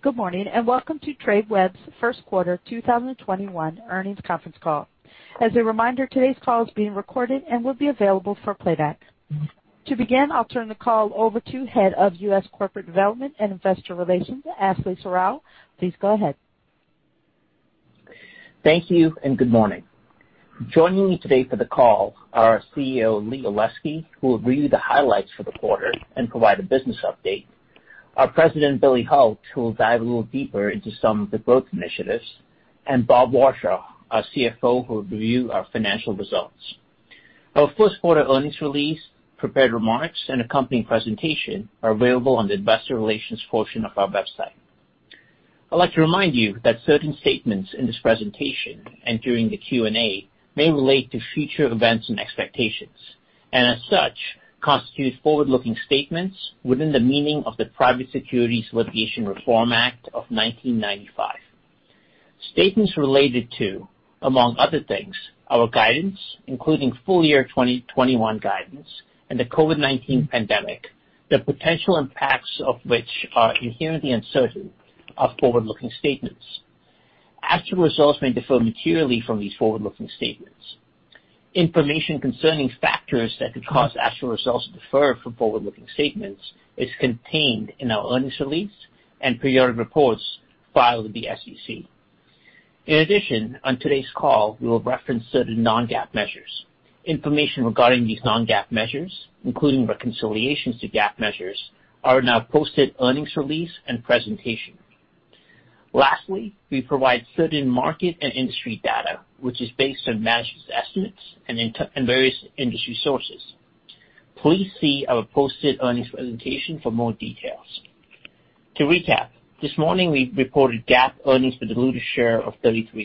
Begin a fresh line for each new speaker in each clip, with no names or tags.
Good morning, welcome to Tradeweb's first quarter 2021 earnings conference call. As a reminder, today's call is being recorded and will be available for playback. To begin, I'll turn the call over to Head of U.S. Corporate Development and Investor Relations, Ashley Serrao. Please go ahead.
Thank you, and good morning. Joining me today for the call are our CEO, Lee Olesky, who will read you the highlights for the quarter and provide a business update. Our President, Billy Hult, who will dive a little deeper into some of the growth initiatives, and Bob Warshaw, our CFO, who will review our financial results. Our first quarter earnings release, prepared remarks, and accompanying presentation are available on the investor relations portion of our website. I'd like to remind you that certain statements in this presentation and during the Q&A may relate to future events and expectations, and as such, constitute forward-looking statements within the meaning of the Private Securities Litigation Reform Act of 1995. Statements related to, among other things, our guidance, including full year 2021 guidance and the COVID-19 pandemic, the potential impacts of which are inherently uncertain, are forward-looking statements. Actual results may differ materially from these forward-looking statements. Information concerning factors that could cause actual results to differ from forward-looking statements is contained in our earnings release and periodic reports filed with the SEC. In addition, on today's call, we will reference certain non-GAAP measures. Information regarding these non-GAAP measures, including reconciliations to GAAP measures, are in our posted earnings release and presentation. Lastly, we provide certain market and industry data, which is based on management's estimates and various industry sources. Please see our posted earnings presentation for more details. To recap, this morning, we reported GAAP earnings per diluted share of $0.33.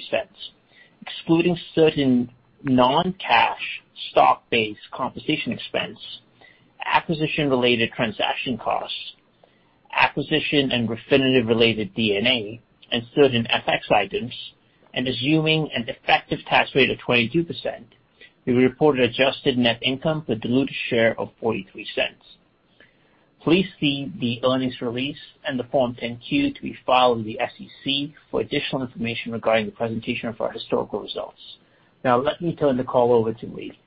Excluding certain non-cash stock-based compensation expense, acquisition-related transaction costs, acquisition and Refinitiv-related D&A, and certain FX items, and assuming an effective tax rate of 22%, we reported adjusted net income per diluted share of $0.43. Please see the earnings release and the Form 10-Q to be filed with the SEC for additional information regarding the presentation of our historical results. Now let me turn the call over to Lee.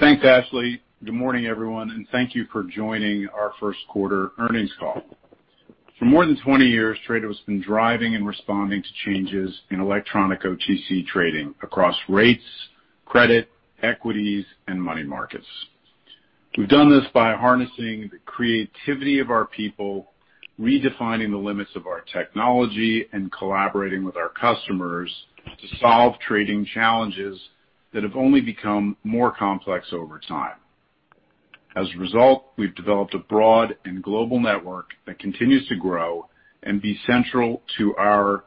Thanks, Ashley. Good morning, everyone, and thank you for joining our first quarter earnings call. For more than 20 years, Tradeweb's been driving and responding to changes in electronic OTC trading across rates, credit, equities, and money markets. We've done this by harnessing the creativity of our people, redefining the limits of our technology, and collaborating with our customers to solve trading challenges that have only become more complex over time. As a result, we've developed a broad and global network that continues to grow and be central to our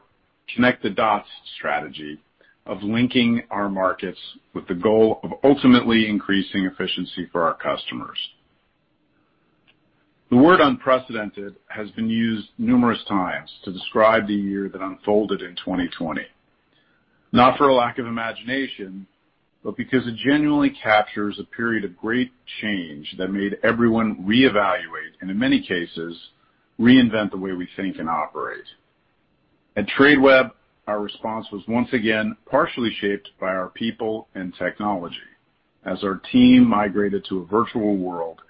connect-the-dots strategy of linking our markets with the goal of ultimately increasing efficiency for our customers. The word unprecedented has been used numerous times to describe the year that unfolded in 2020, not for a lack of imagination, but because it genuinely captures a period of great change that made everyone reevaluate, and in many cases, reinvent the way we think and operate. At Tradeweb, our response was once again partially shaped by our people and technology as our team migrated to a virtual world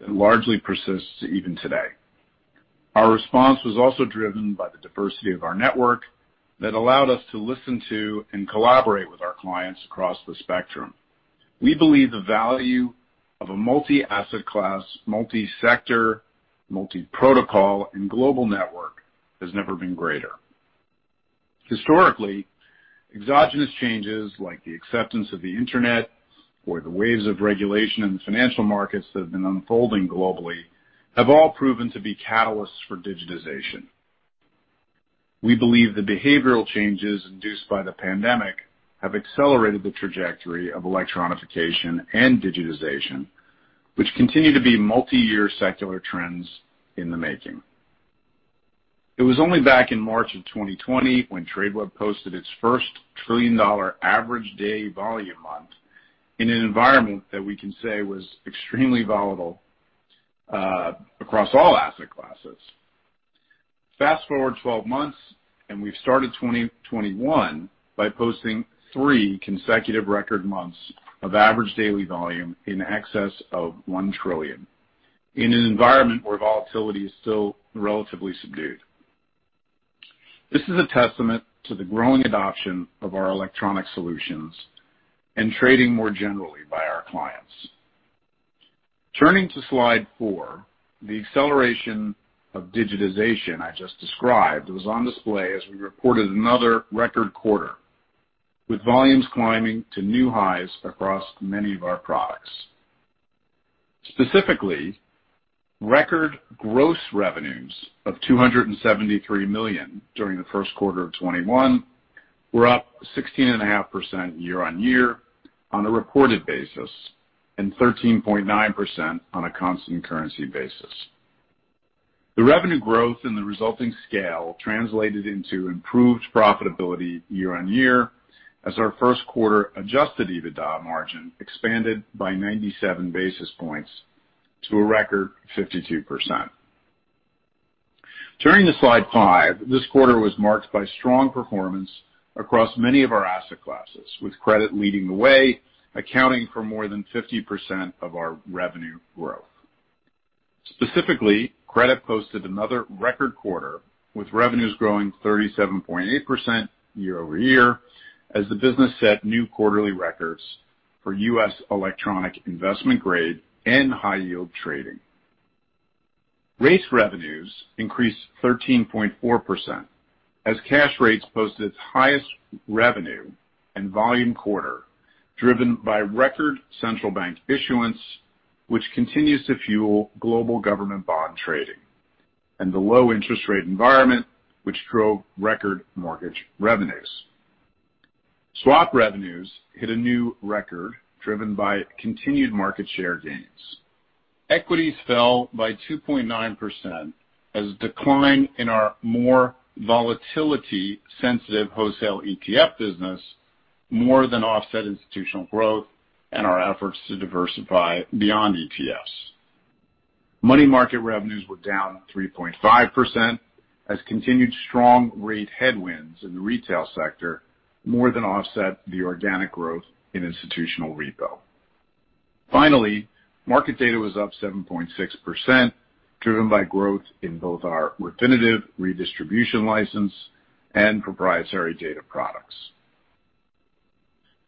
that largely persists even today. Our response was also driven by the diversity of our network that allowed us to listen to and collaborate with our clients across the spectrum. We believe the value of a multi-asset class, multi-sector, multi-protocol, and global network has never been greater. Historically, exogenous changes like the acceptance of the internet or the waves of regulation in the financial markets that have been unfolding globally have all proven to be catalysts for digitization. We believe the behavioral changes induced by the pandemic have accelerated the trajectory of electronification and digitization, which continue to be multi-year secular trends in the making. It was only back in March of 2020 when Tradeweb posted its first trillion-dollar average day volume month in an environment that we can say was extremely volatile across all asset classes. Fast-forward 12 months, we've started 2021 by posting three consecutive record months of average daily volume in excess of $1 trillion in an environment where volatility is still relatively subdued. This is a testament to the growing adoption of our electronic solutions and trading more generally by our clients. Turning to slide four, the acceleration of digitization I just described was on display as we reported another record quarter, with volumes climbing to new highs across many of our products. Specifically, record gross revenues of $273 million during the first quarter of 2021 were up 16.5% year-on-year on a reported basis and 13.9% on a constant currency basis. The revenue growth and the resulting scale translated into improved profitability year-on-year as our first quarter adjusted EBITDA margin expanded by 97 basis points to a record 52%. Turning to slide five, this quarter was marked by strong performance across many of our asset classes, with credit leading the way, accounting for more than 50% of our revenue growth. Specifically, credit posted another record quarter, with revenues growing 37.8% year-over-year as the business set new quarterly records for U.S. electronic investment-grade and high-yield trading. Rates revenues increased 13.4% as cash rates posted its highest revenue and volume quarter, driven by record central bank issuance, which continues to fuel global government bond trading, and the low interest rate environment, which drove record mortgage revenues. Swap revenues hit a new record, driven by continued market share gains. Equities fell by 2.9% as decline in our more volatility-sensitive wholesale ETF business more than offset institutional growth and our efforts to diversify beyond ETFs. Money market revenues were down 3.5%, as continued strong rate headwinds in the retail sector more than offset the organic growth in institutional repo. Finally, market data was up 7.6%, driven by growth in both our Refinitiv redistribution license and proprietary data products.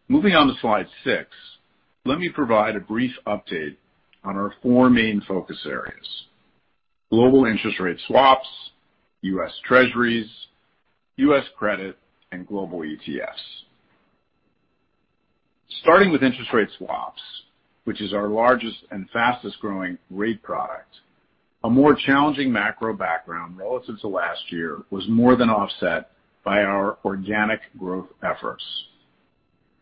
Moving on to slide six, let me provide a brief update on our four main focus areas, global interest rate swaps, U.S. Treasuries, U.S. credit, and global ETFs. Starting with interest rate swaps, which is our largest and fastest-growing rate product, a more challenging macro background relative to last year was more than offset by our organic growth efforts.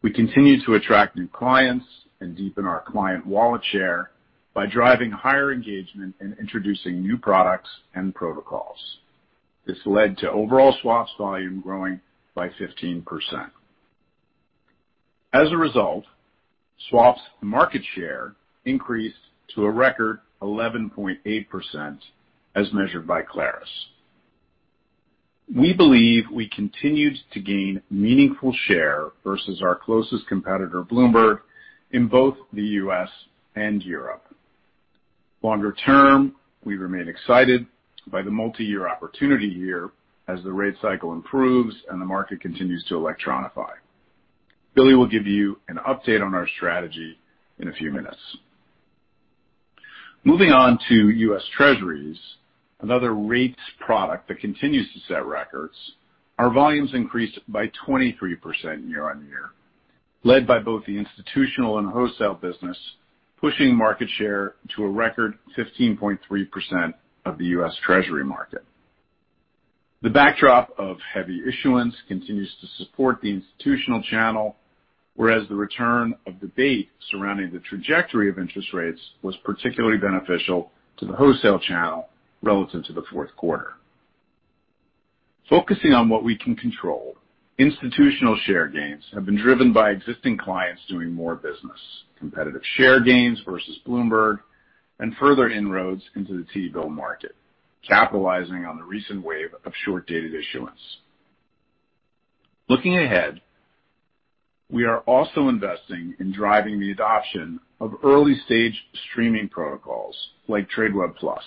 We continue to attract new clients and deepen our client wallet share by driving higher engagement and introducing new products and protocols. This led to overall swaps volume growing by 15%. As a result, swaps market share increased to a record 11.8%, as measured by Clarus. We believe we continued to gain meaningful share versus our closest competitor, Bloomberg, in both the U.S. and Europe. Longer term, we remain excited by the multi-year opportunity here as the rate cycle improves and the market continues to electronify. Billy will give you an update on our strategy in a few minutes. Moving on to U.S. Treasuries, another rates product that continues to set records. Our volumes increased by 23% year-on-year, led by both the institutional and wholesale business, pushing market share to a record 15.3% of the U.S. Treasury market. The backdrop of heavy issuance continues to support the institutional channel, whereas the return of debate surrounding the trajectory of interest rates was particularly beneficial to the wholesale channel relative to the fourth quarter. Focusing on what we can control, institutional share gains have been driven by existing clients doing more business, competitive share gains versus Bloomberg, and further inroads into the T-bill market, capitalizing on the recent wave of short-dated issuance. Looking ahead, we are also investing in driving the adoption of early-stage streaming protocols like Tradeweb PLUS.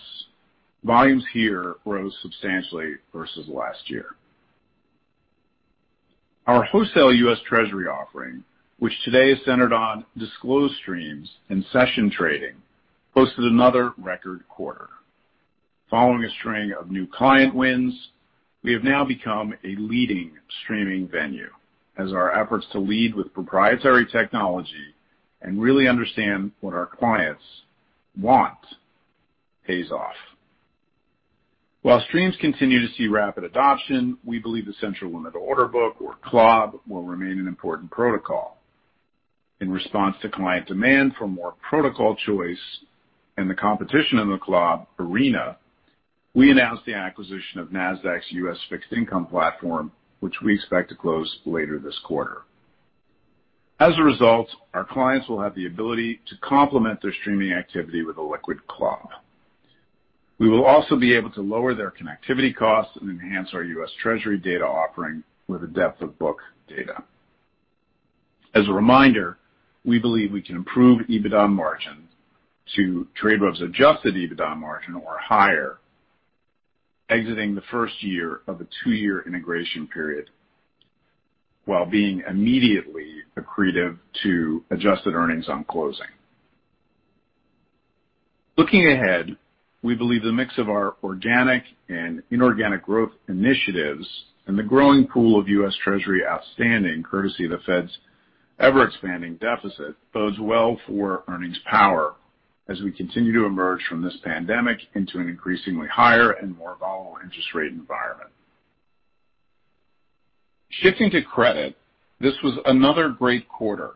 Volumes here rose substantially versus last year. Our wholesale U.S. Treasury offering, which today is centered on disclosed streams and session trading, posted another record quarter. Following a string of new client wins, we have now become a leading streaming venue as our efforts to lead with proprietary technology and really understand what our clients want pays off. While streams continue to see rapid adoption, we believe the central limit order book, or CLOB, will remain an important protocol. In response to client demand for more protocol choice and the competition in the CLOB arena, we announced the acquisition of Nasdaq's U.S. fixed income platform, which we expect to close later this quarter. As a result, our clients will have the ability to complement their streaming activity with a liquid CLOB. We will also be able to lower their connectivity costs and enhance our U.S. Treasury data offering with a depth-of-book data. As a reminder, we believe we can improve EBITDA margins to Tradeweb's adjusted EBITDA margin or higher exiting the first year of a two-year integration period while being immediately accretive to adjusted earnings on closing. Looking ahead, we believe the mix of our organic and inorganic growth initiatives and the growing pool of U.S. Treasury outstanding, courtesy of the Fed's ever-expanding deficit, bodes well for earnings power as we continue to emerge from this pandemic into an increasingly higher and more volatile interest rate environment. Shifting to credit, this was another great quarter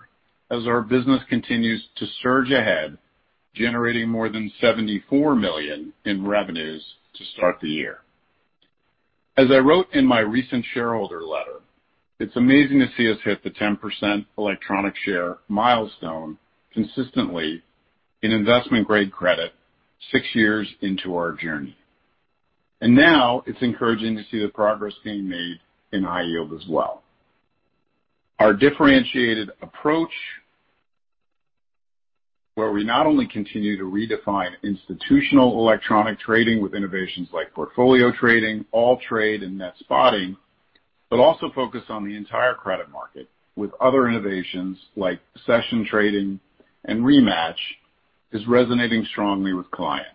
as our business continues to surge ahead, generating more than $74 million in revenues to start the year. As I wrote in my recent shareholder letter, it's amazing to see us hit the 10% electronic share milestone consistently in investment-grade credit six years into our journey. Now it's encouraging to see the progress being made in high yield as well. Our differentiated approach, where we not only continue to redefine institutional electronic trading with innovations like Portfolio Trading, AllTrade, and Net Spotting, but also focus on the entire credit market with other innovations like session-based trading and Rematch, is resonating strongly with clients.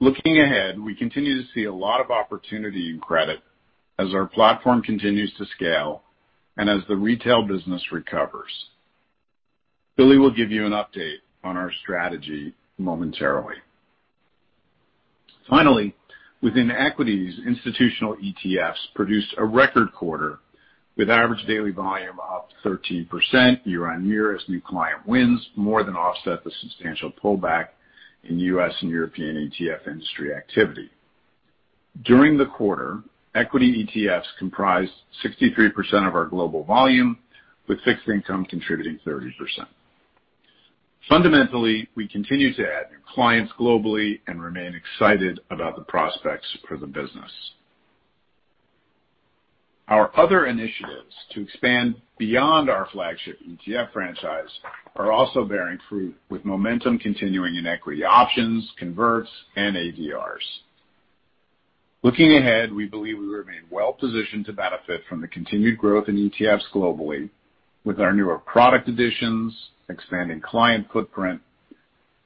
Looking ahead, we continue to see a lot of opportunity in credit as our platform continues to scale and as the retail business recovers. Billy will give you an update on our strategy momentarily. Finally, within equities, institutional ETFs produced a record quarter with average daily volume up 13% year-on-year as new client wins more than offset the substantial pullback in U.S. and European ETF industry activity. During the quarter, equity ETFs comprised 63% of our global volume, with fixed income contributing 30%. Fundamentally, we continue to add new clients globally and remain excited about the prospects for the business. Our other initiatives to expand beyond our flagship ETF franchise are also bearing fruit, with momentum continuing in equity options, converts, and ADRs. Looking ahead, we believe we remain well-positioned to benefit from the continued growth in ETFs globally with our newer product additions, expanding client footprint,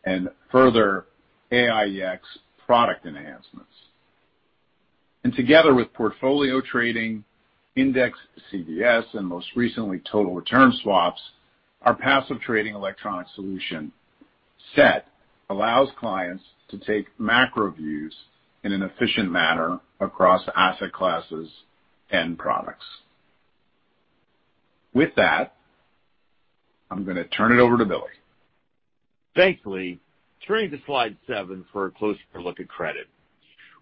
and further AiEX product enhancements. Together with Portfolio Trading, index CDS, and most recently, total return swaps, our passive trading electronic solution set allows clients to take macro views in an efficient manner across asset classes and products. With that, I'm going to turn it over to Billy.
Thanks, Lee. Turning to slide seven for a closer look at credit.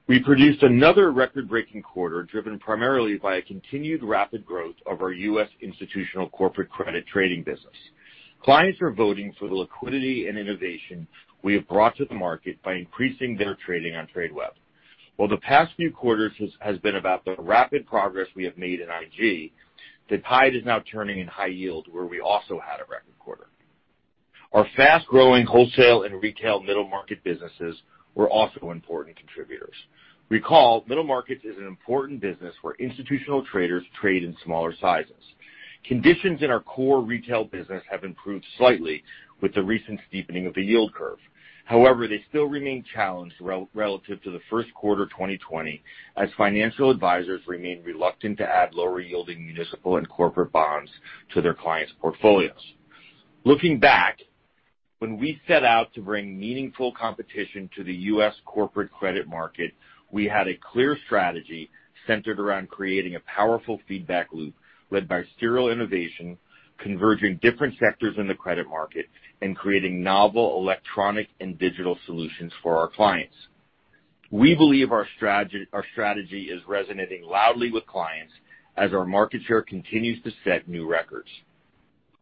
We produced another record-breaking quarter, driven primarily by a continued rapid growth of our U.S. institutional corporate credit trading business. Clients are voting for the liquidity and innovation we have brought to the market by increasing their trading on Tradeweb. While the past few quarters has been about the rapid progress we have made in IG, the tide is now turning in high yield, where we also had a record quarter. Our fast-growing wholesale and retail middle-market businesses were also important contributors. Recall, middle markets is an important business where institutional traders trade in smaller sizes. Conditions in our core retail business have improved slightly with the recent steepening of the yield curve. However, they still remain challenged relative to the first quarter 2020 as financial advisors remain reluctant to add lower-yielding municipal and corporate bonds to their clients' portfolios. Looking back, when we set out to bring meaningful competition to the U.S. corporate credit market, we had a clear strategy centered around creating a powerful feedback loop led by serial innovation, converging different sectors in the credit market, and creating novel electronic and digital solutions for our clients. We believe our strategy is resonating loudly with clients as our market share continues to set new records.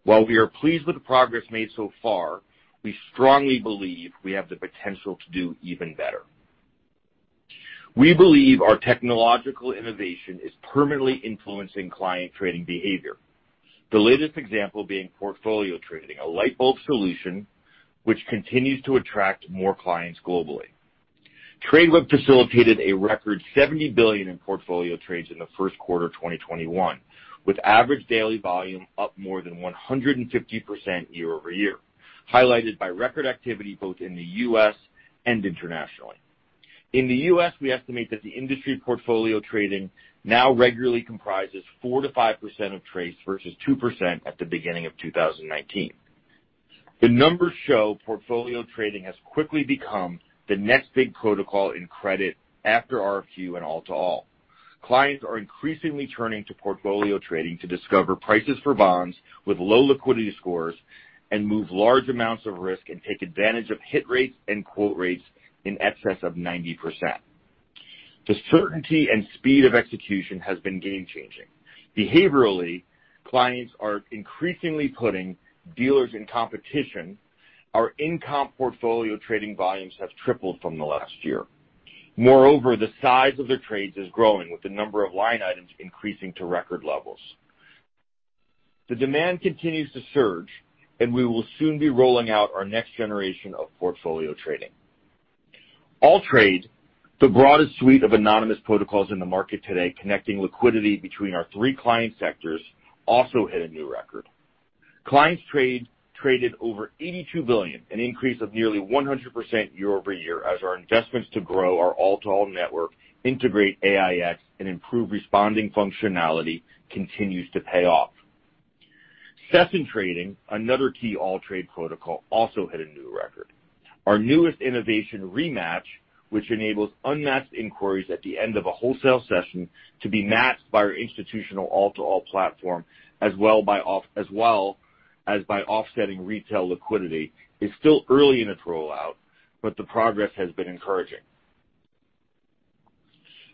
While we are pleased with the progress made so far, we strongly believe we have the potential to do even better. We believe our technological innovation is permanently influencing client trading behavior. The latest example being Portfolio Trading, a light bulb solution which continues to attract more clients globally. Tradeweb facilitated a record $70 billion in Portfolio Trading in the first quarter 2021, with average daily volume up more than 150% year-over-year, highlighted by record activity both in the U.S. and internationally. In the U.S., we estimate that the industry Portfolio Trading now regularly comprises 4%-5% of trades versus 2% at the beginning of 2019. The numbers show Portfolio Trading has quickly become the next big protocol in credit after RFQ and all-to-all. Clients are increasingly turning to Portfolio Trading to discover prices for bonds with low liquidity scores and move large amounts of risk and take advantage of hit rates and quote rates in excess of 90%. The certainty and speed of execution has been game-changing. Behaviorally, clients are increasingly putting dealers in competition. Our in-comp Portfolio Trading volumes have tripled from the last year. Moreover, the size of their trades is growing, with the number of line items increasing to record levels. The demand continues to surge. We will soon be rolling out our next generation of Portfolio Trading. AllTrade, the broadest suite of anonymous protocols in the market today connecting liquidity between our three client sectors also hit a new record. Clients traded over $82 billion, an increase of nearly 100% year-over-year as our investments to grow our all-to-all network integrate AiEX and improve responding functionality continues to pay off. Session trading, another key AllTrade protocol, also hit a new record. Our newest innovation, Rematch, which enables unmatched inquiries at the end of a wholesale session to be matched by our institutional all-to-all platform, as well by offsetting retail liquidity is still early in its rollout, but the progress has been encouraging.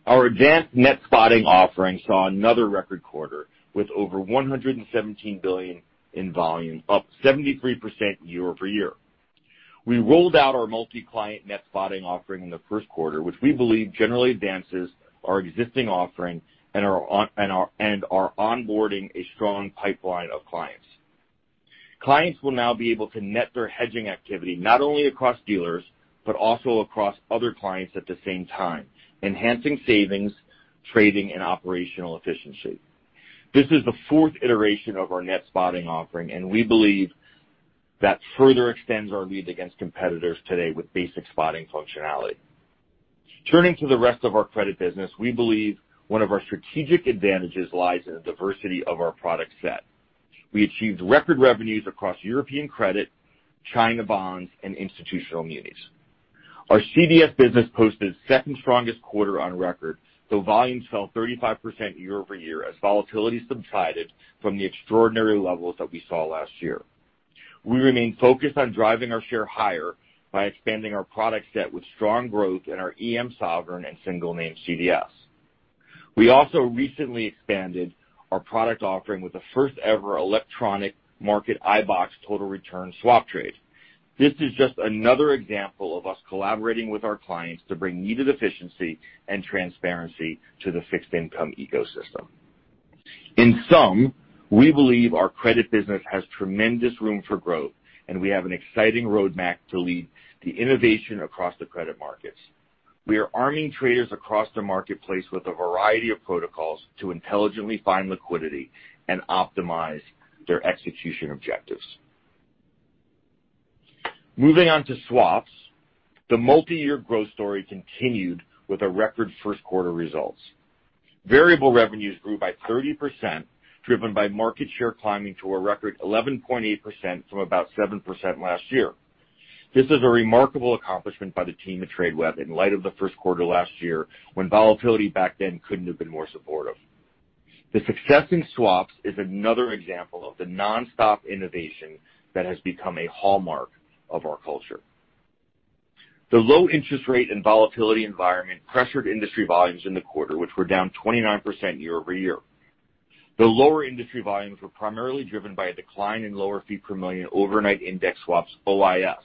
Our advanced Net Spotting offering saw another record quarter, with over $117 billion in volume, up 73% year-over-year. We rolled out our multi-client Net Spotting offering in the first quarter, which we believe generally advances our existing offering and are onboarding a strong pipeline of clients. Clients will now be able to net their hedging activity not only across dealers, but also across other clients at the same time, enhancing savings, trading, and operational efficiency. This is the fourth iteration of our Net Spotting offering, and we believe that further extends our lead against competitors today with basic spotting functionality. Turning to the rest of our credit business, we believe one of our strategic advantages lies in the diversity of our product set. We achieved record revenues across European credit, China bonds, and institutional munis. Our CDS business posted its second strongest quarter on record, though volumes fell 35% year-over-year as volatility subsided from the extraordinary levels that we saw last year. We remain focused on driving our share higher by expanding our product set with strong growth in our EM sovereign and single name CDS. We also recently expanded our product offering with the first-ever electronic market iBoxx Total Return Swap trade. This is just another example of us collaborating with our clients to bring needed efficiency and transparency to the fixed-income ecosystem. In sum, we believe our credit business has tremendous room for growth, and we have an exciting roadmap to lead the innovation across the credit markets. We are arming traders across the marketplace with a variety of protocols to intelligently find liquidity and optimize their execution objectives. Moving on to swaps, the multi-year growth story continued with our record first quarter results. Variable revenues grew by 30%, driven by market share climbing to a record 11.8% from about 7% last year. This is a remarkable accomplishment by the team at Tradeweb in light of the first quarter last year, when volatility back then couldn't have been more supportive. The success in swaps is another example of the nonstop innovation that has become a hallmark of our culture. The low interest rate and volatility environment pressured industry volumes in the quarter, which were down 29% year-over-year. The lower industry volumes were primarily driven by a decline in lower fee per million overnight index swaps, OIS.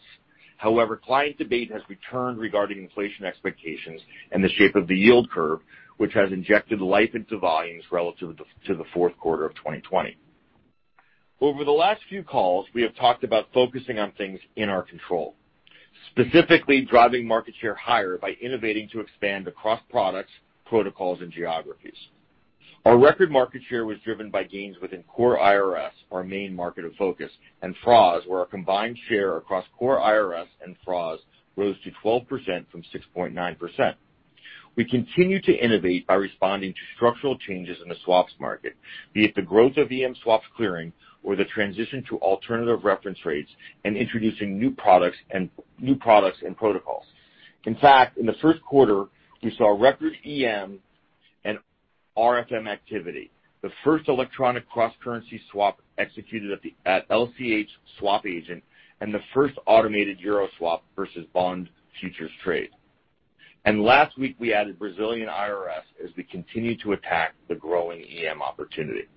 However, client debate has returned regarding inflation expectations and the shape of the yield curve, which has injected life into volumes relative to the fourth quarter of 2020. Over the last few calls, we have talked about focusing on things in our control, specifically driving market share higher by innovating to expand across products, protocols, and geographies. Our record market share was driven by gains within core IRS, our main market of focus, and FRAs, where our combined share across core IRS and FRAs rose to 12% from 6.9%. We continue to innovate by responding to structural changes in the swaps market, be it the growth of EM swaps clearing or the transition to alternative reference rates and introducing new products and protocols. In fact, in the first quarter, we saw record EM and RFM activity, the first electronic cross-currency swap executed at LCH SwapAgent, and the first automated Euro swap versus bond futures trade. Last week, we added Brazilian IRS as we continue to attack the growing EM opportunity.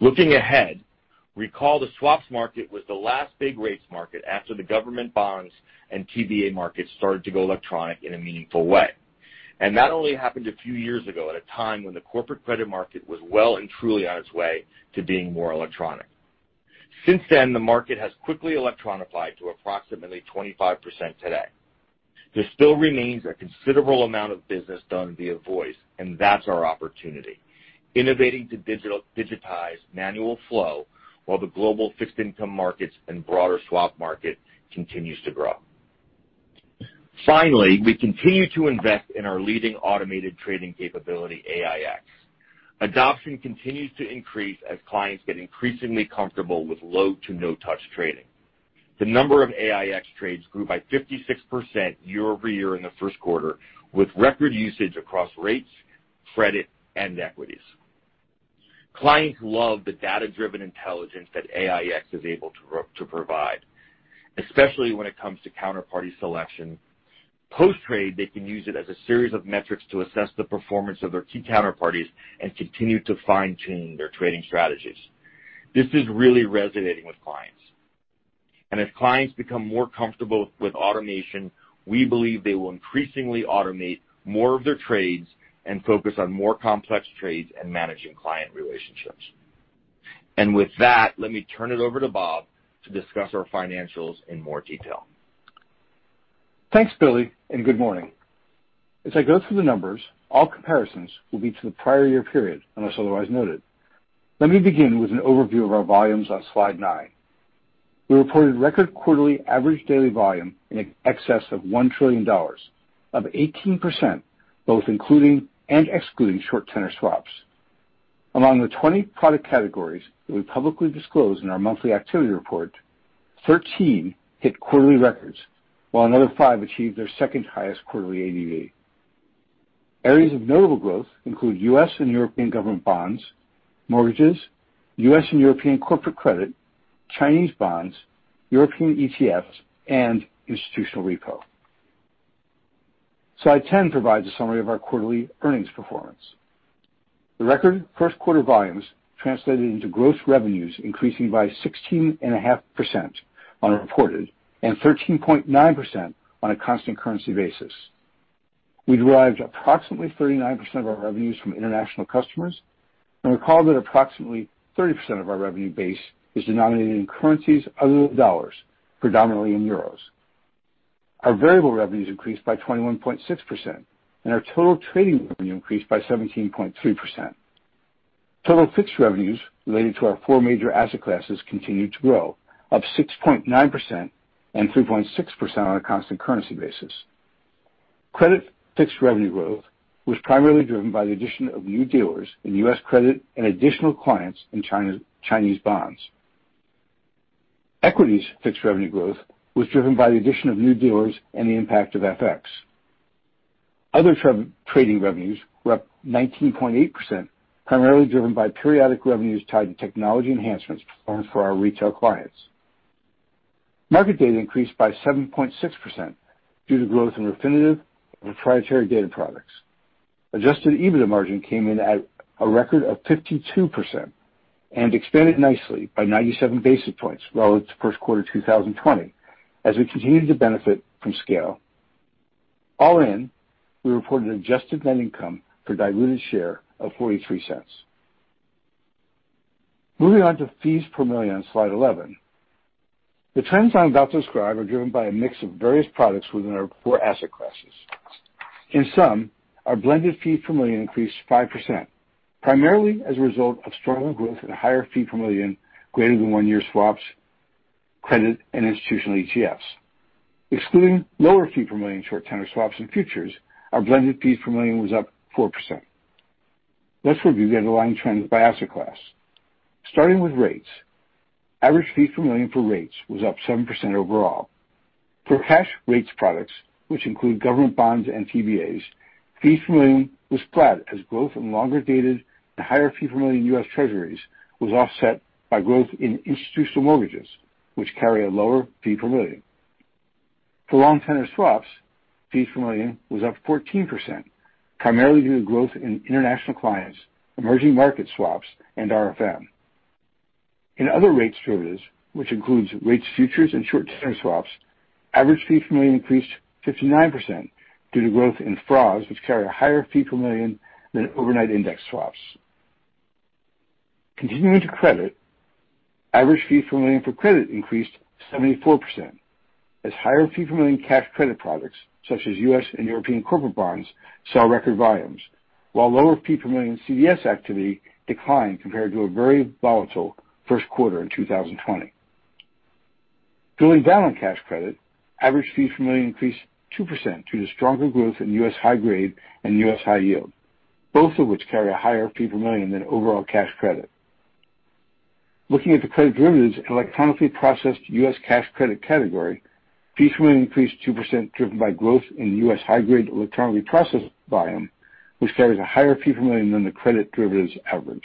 Looking ahead, recall the swaps market was the last big rates market after the government bonds and TBA markets started to go electronic in a meaningful way. That only happened a few years ago, at a time when the corporate credit market was well and truly on its way to being more electronic. Since then, the market has quickly electronified to approximately 25% today. There still remains a considerable amount of business done via voice, and that's our opportunity, innovating to digitize manual flow while the global fixed-income markets and broader swap market continues to grow. We continue to invest in our leading automated trading capability, AiEX. Adoption continues to increase as clients get increasingly comfortable with low to no-touch trading. The number of AiEX trades grew by 56% year-over-year in the first quarter, with record usage across rates, credit, and equities. Clients love the data-driven intelligence that AiEX is able to provide, especially when it comes to counterparty selection. Post-trade, they can use it as a series of metrics to assess the performance of their key counterparties and continue to fine-tune their trading strategies. This is really resonating with clients. As clients become more comfortable with automation, we believe they will increasingly automate more of their trades and focus on more complex trades and managing client relationships. With that, let me turn it over to Bob to discuss our financials in more detail.
Thanks, Billy, good morning. As I go through the numbers, all comparisons will be to the prior-year period, unless otherwise noted. Let me begin with an overview of our volumes on slide nine. We reported record quarterly average daily volume in excess of $1 trillion, up 18%, both including and excluding short tenor swaps. Among the 20 product categories that we publicly disclose in our monthly activity report, 13 hit quarterly records, while another five achieved their second highest quarterly ADV. Areas of notable growth include U.S. and European government bonds, mortgages, U.S. and European corporate credit, Chinese bonds, European ETFs, and institutional repo. Slide 10 provides a summary of our quarterly earnings performance. The record first quarter volumes translated into gross revenues increasing by 16.5% on a reported and 13.9% on a constant currency basis. We derived approximately 39% of our revenues from international customers, and recall that approximately 30% of our revenue base is denominated in currencies other than U.S. dollars, predominantly in euros. Our variable revenues increased by 21.6%, and our total trading revenue increased by 17.3%. Total fixed revenues related to our four major asset classes continued to grow, up 6.9% and 3.6% on a constant currency basis. Credit fixed revenue growth was primarily driven by the addition of new dealers in U.S. credit and additional clients in Chinese bonds. Equities fixed revenue growth was driven by the addition of new dealers and the impact of FX. Other trading revenues were up 19.8%, primarily driven by periodic revenues tied to technology enhancements performed for our retail clients. Market data increased by 7.6% due to growth in Refinitiv and proprietary data products. Adjusted EBITDA margin came in at a record of 52% and expanded nicely by 97 basis points relative to first quarter 2020 as we continued to benefit from scale. All in, we reported adjusted net income per diluted share of $0.43. Moving on to fees per million, slide 11. The trends I'm about to describe are driven by a mix of various products within our four asset classes. In sum, our blended fee per million increased 5%, primarily as a result of stronger growth at a higher fee per million greater than one-year swaps, credit, and institutional ETFs. Excluding lower fee per million short tenor swaps and futures, our blended fees per million was up 4%. Let's review the underlying trends by asset class. Starting with rates, average fee per million for rates was up 7% overall. For cash rates products, which include government bonds and TBAs, fees per million was flat as growth in longer dated and higher fee per million U.S. Treasuries was offset by growth in institutional mortgages, which carry a lower fee per million. For long tenor swaps, fees per million was up 14%, primarily due to growth in international clients, emerging market swaps, and RFM. In other rate derivatives, which includes rates, futures, and short-term swaps, average fee per million increased 59% due to growth in FRAs, which carry a higher fee per million than overnight index swaps. Continuing to credit, average fee per million for credit increased 74% as higher fee per million cash credit products such as U.S. and European corporate bonds saw record volumes, while lower fee per million CDS activity declined compared to a very volatile first quarter in 2020. Drilling down on cash credit, average fee per million increased 2% due to stronger growth in U.S. high grade and U.S. high yield, both of which carry a higher fee per million than overall cash credit. Looking at the credit derivatives electronically processed U.S. cash credit category, fees per million increased 2%, driven by growth in U.S. high-grade electronically processed volume, which carries a higher fee per million than the credit derivatives average.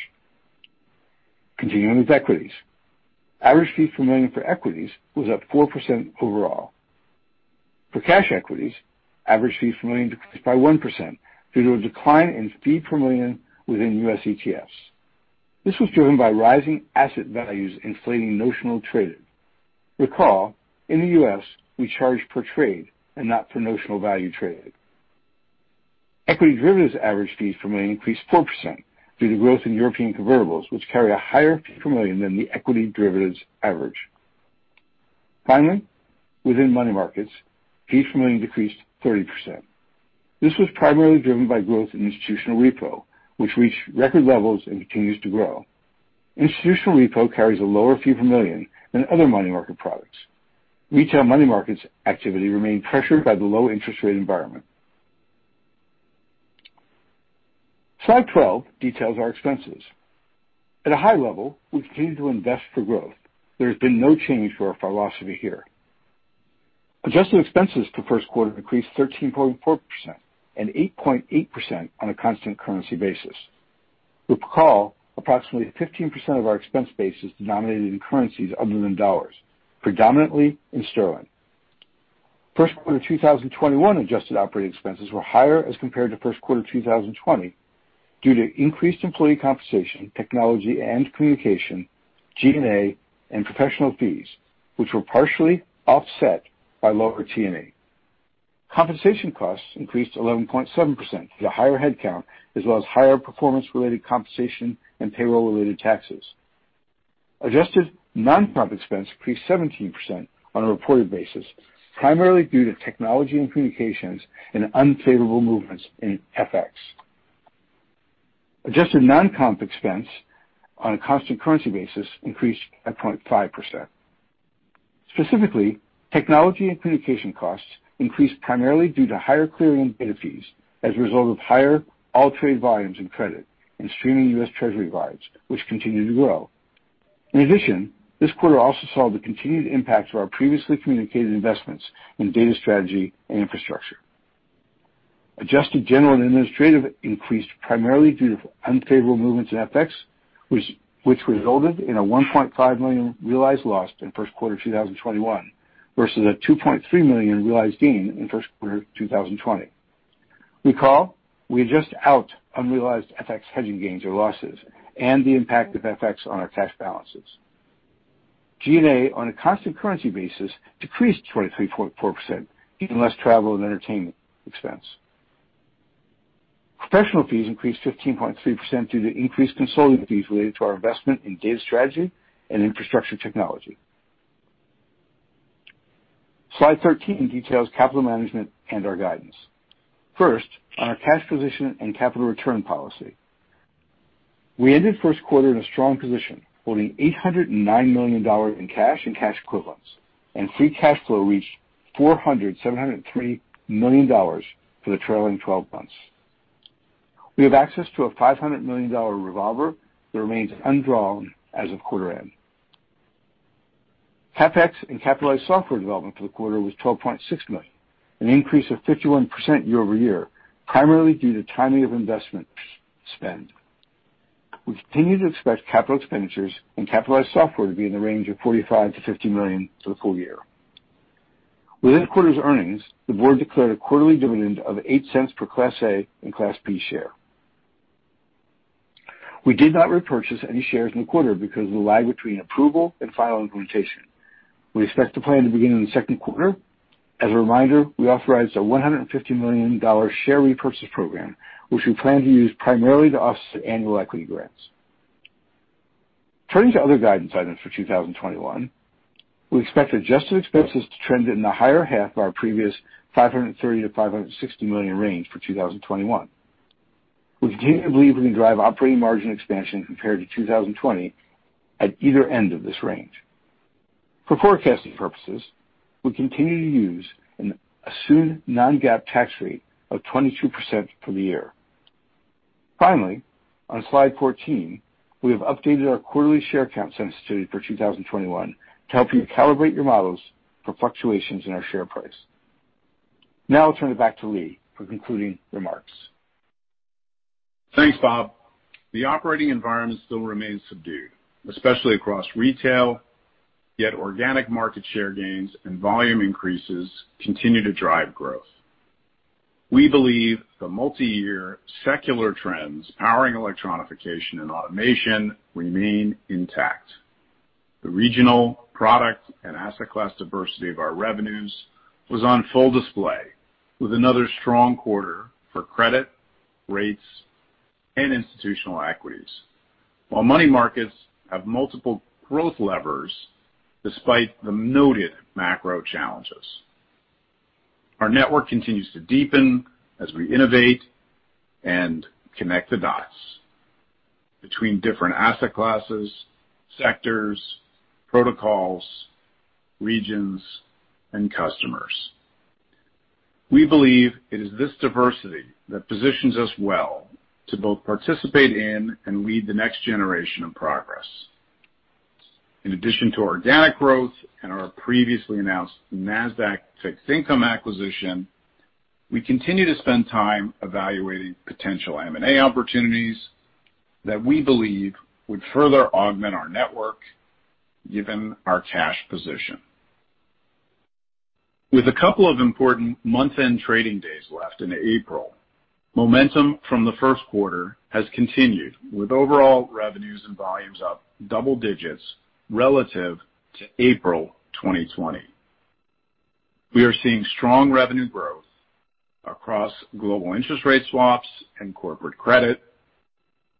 Continuing with equities. Average fee per million for equities was up 4% overall. For cash equities, average fees per million decreased by 1% due to a decline in fee per million within U.S. ETFs. This was driven by rising asset values inflating notional traded. Recall, in the U.S., we charge per trade and not for notional value traded. Equity derivatives average fees per million increased 4% due to growth in European convertibles, which carry a higher fee per million than the equity derivatives average. Finally, within money markets, fees per million decreased 30%. This was primarily driven by growth in institutional repo, which reached record levels and continues to grow. Institutional repo carries a lower fee per million than other money market products. Retail money markets activity remained pressured by the low interest rate environment. Slide 12 details our expenses. At a high level, we continue to invest for growth. There has been no change to our philosophy here. Adjusted expenses for first quarter increased 13.4% and 8.8% on a constant currency basis. You'll recall approximately 15% of our expense base is denominated in currencies other than dollars, predominantly in sterling. First quarter 2021 adjusted operating expenses were higher as compared to first quarter 2020 due to increased employee compensation, technology and communication, G&A, and professional fees, which were partially offset by lower T&E. Compensation costs increased 11.7% due to higher headcount as well as higher performance-related compensation and payroll-related taxes. Adjusted non-comp expense increased 17% on a reported basis, primarily due to technology and communications and unfavorable movements in FX. Adjusted non-comp expense on a constant currency basis increased at 0.5%. Specifically, technology and communication costs increased primarily due to higher clearing and data fees as a result of higher AllTrade volumes in credit and streaming U.S. Treasury volumes, which continue to grow. In addition, this quarter also saw the continued impact of our previously communicated investments in data strategy and infrastructure. Adjusted general and administrative increased primarily due to unfavorable movements in FX, which resulted in a $1.5 million realized loss in first quarter 2021 versus a $2.3 million realized gain in first quarter 2020. Recall, we adjust out unrealized FX hedging gains or losses and the impact of FX on our cash balances. G&A on a constant currency basis decreased 23.4%, even less travel and entertainment expense. Professional fees increased 15.3% due to increased consulting fees related to our investment in data strategy and infrastructure technology. Slide 13 details capital management and our guidance. First, on our cash position and capital return policy. We ended first quarter in a strong position, holding $809 million in cash and cash equivalents, and free cash flow reached $400,703 million for the trailing 12 months. We have access to a $500 million revolver that remains undrawn as of quarter end. CapEx and capitalized software development for the quarter was $12.6 million, an increase of 51% year-over-year, primarily due to timing of investment spend. We continue to expect capital expenditures and capitalized software to be in the range of $45 million-$50 million for the full year. With this quarter's earnings, the board declared a quarterly dividend of $0.08 per Class A and Class B share. We did not repurchase any shares in the quarter because of the lag between approval and final implementation. We expect to plan to begin in the second quarter. As a reminder, we authorized a $150 million share repurchase program, which we plan to use primarily to offset annual equity grants. Turning to other guidance items for 2021, we expect adjusted expenses to trend in the higher half of our previous $530 million-$560 million range for 2021. We continue to believe we can drive operating margin expansion compared to 2020 at either end of this range. For forecasting purposes, we continue to use an assumed non-GAAP tax rate of 22% for the year. Finally, on slide 14, we have updated our quarterly share count sensitivity for 2021 to help you calibrate your models for fluctuations in our share price. Now I'll turn it back to Lee for concluding remarks.
Thanks, Bob. The operating environment still remains subdued, especially across retail, yet organic market share gains and volume increases continue to drive growth. We believe the multi-year secular trends powering electronification and automation remain intact. The regional product and asset class diversity of our revenues was on full display with another strong quarter for credit, rates, and institutional equities. While money markets have multiple growth levers, despite the noted macro challenges. Our network continues to deepen as we innovate and connect the dots between different asset classes, sectors, protocols, regions, and customers. We believe it is this diversity that positions us well to both participate in and lead the next generation of progress. In addition to organic growth and our previously announced Nasdaq fixed income acquisition, we continue to spend time evaluating potential M&A opportunities that we believe would further augment our network given our cash position. With a couple of important month-end trading days left into April, momentum from the first quarter has continued with overall revenues and volumes up double digits relative to April 2020. We are seeing strong revenue growth across global interest rate swaps and corporate credit.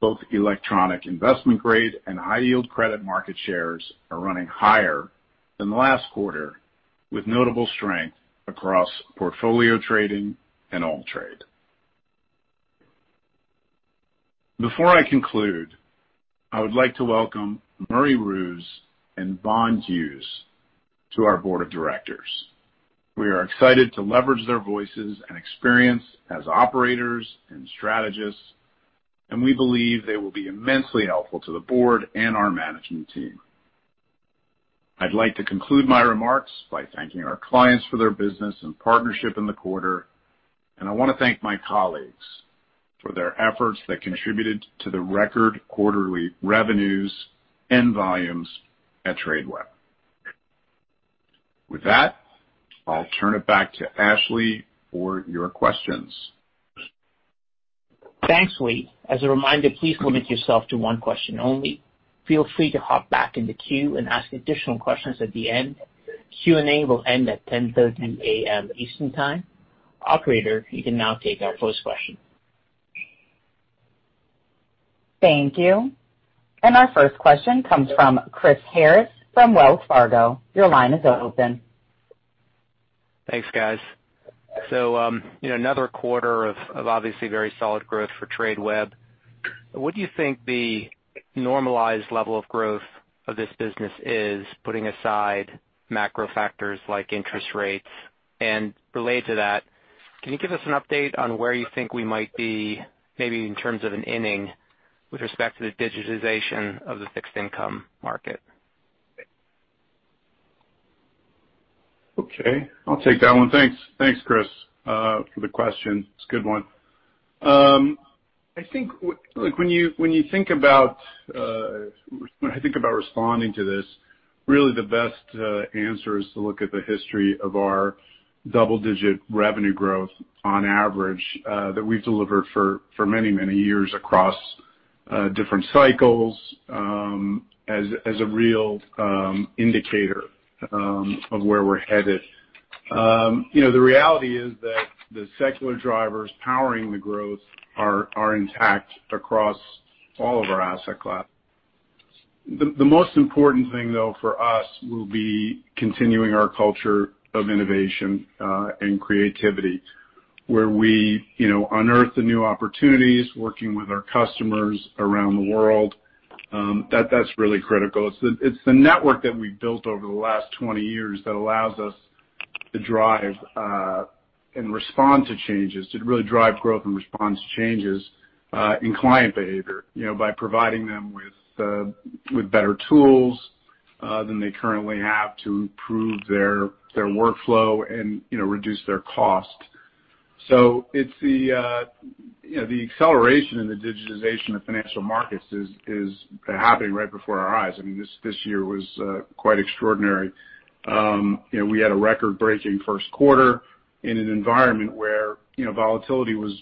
Both electronic investment-grade and high-yield credit market shares are running higher than last quarter, with notable strength across Portfolio Trading and AllTrade. Before I conclude, I would like to welcome Murray Roos and Von Hughes to our board of directors. We are excited to leverage their voices and experience as operators and strategists, and we believe they will be immensely helpful to the board and our managing team. I'd like to conclude my remarks by thanking our clients for their business and partnership in the quarter, and I want to thank my colleagues for their efforts that contributed to the record quarterly revenues and volumes at Tradeweb. With that, I'll turn it back to Ashley for your questions.
Thanks, Lee. As a reminder, please limit yourself to one question only. Feel free to hop back in the queue and ask additional questions at the end. Q&A will end at 10:30 A.M. Eastern Time. Operator, you can now take our first question.
Thank you. Our first question comes from Chris Harris from Wells Fargo. Your line is open.
Thanks, guys. Another quarter of obviously very solid growth for Tradeweb. What do you think the normalized level of growth of this business is, putting aside macro factors like interest rates? Related to that, can you give us an update on where you think we might be, maybe in terms of an inning, with respect to the digitization of the fixed income market?
Okay, I'll take that one. Thanks, Chris, for the question. It's a good one. I think when I think about responding to this, really the best answer is to look at the history of our double-digit revenue growth on average, that we've delivered for many, many years across different cycles, as a real indicator of where we're headed. The reality is that the secular drivers powering the growth are intact across all of our asset classes. The most important thing, though, for us, will be continuing our culture of innovation and creativity, where we unearth the new opportunities, working with our customers around the world. That's really critical. It's the network that we've built over the last 20 years that allows us to drive and respond to changes, to really drive growth and respond to changes in client behavior, by providing them with better tools than they currently have to improve their workflow and reduce their cost. The acceleration in the digitization of financial markets is happening right before our eyes. This year was quite extraordinary. We had a record-breaking first quarter in an environment where volatility was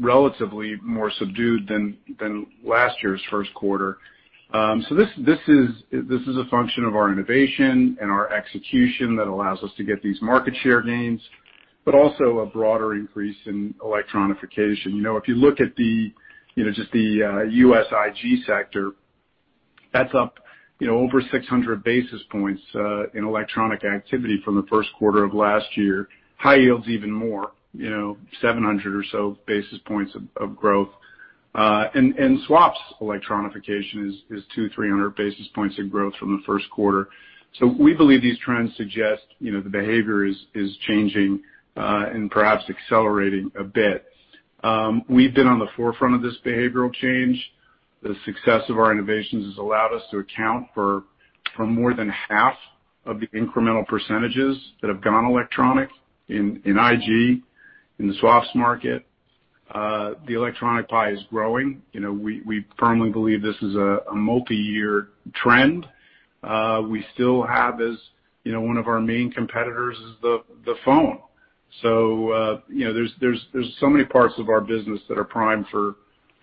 relatively more subdued than last year's first quarter. This is a function of our innovation and our execution that allows us to get these market share gains, but also a broader increase in electronification. If you look at just the U.S. IG sector, that's up over 600 basis points in electronic activity from the first quarter of last year. High yields even more, 700 or so basis points of growth. Swaps electronification is 200-300 basis points of growth from the first quarter. We believe these trends suggest the behavior is changing, and perhaps accelerating a bit. We've been on the forefront of this behavioral change. The success of our innovations has allowed us to account for more than half of the incremental percentages that have gone electronic in IG, in the swaps market. The electronic pie is growing. We firmly believe this is a multi-year trend. We still have as one of our main competitors is the phone. There's so many parts of our business that are primed for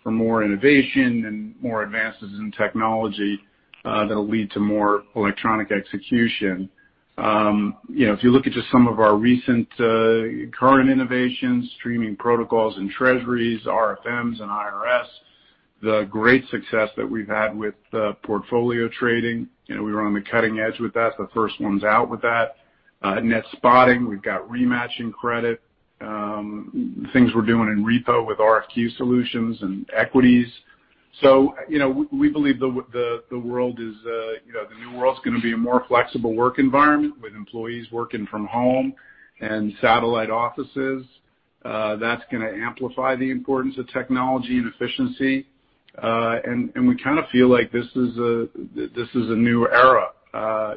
more innovation and more advances in technology that'll lead to more electronic execution. If you look at just some of our recent current innovations, streaming protocols and Treasuries, RFMs, and IRS, the great success that we have had with the Portfolio Trading, we were on the cutting edge with that, the first ones out with that. Net Spotting, we have got rematching credit, things we are doing in repo with RFQ solutions and equities. We believe the new world is going to be a more flexible work environment with employees working from home and satellite offices. That is going to amplify the importance of technology and efficiency. We kind of feel like this is a new era.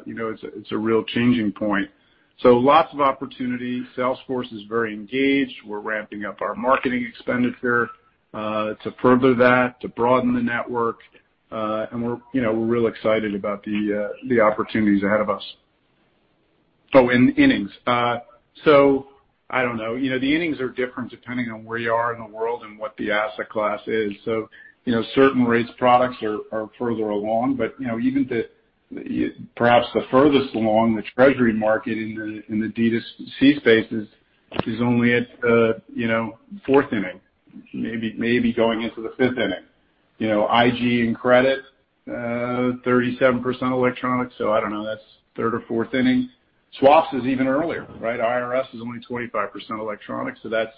It is a real changing point. Lots of opportunity. Salesforce is very engaged. We are ramping up our marketing expenditure to further that, to broaden the network. We are real excited about the opportunities ahead of us. Oh, innings. I do not know. The innings are different depending on where you are in the world and what the asset class is. Certain rates products are further along, but perhaps the furthest along the Treasury market in the D2C spaces is only at the fourth inning, maybe going into the fifth inning. IG and credit, 37% electronic, so I don't know, that's third or fourth inning. Swaps is even earlier, right? IRS is only 25% electronic, so that's,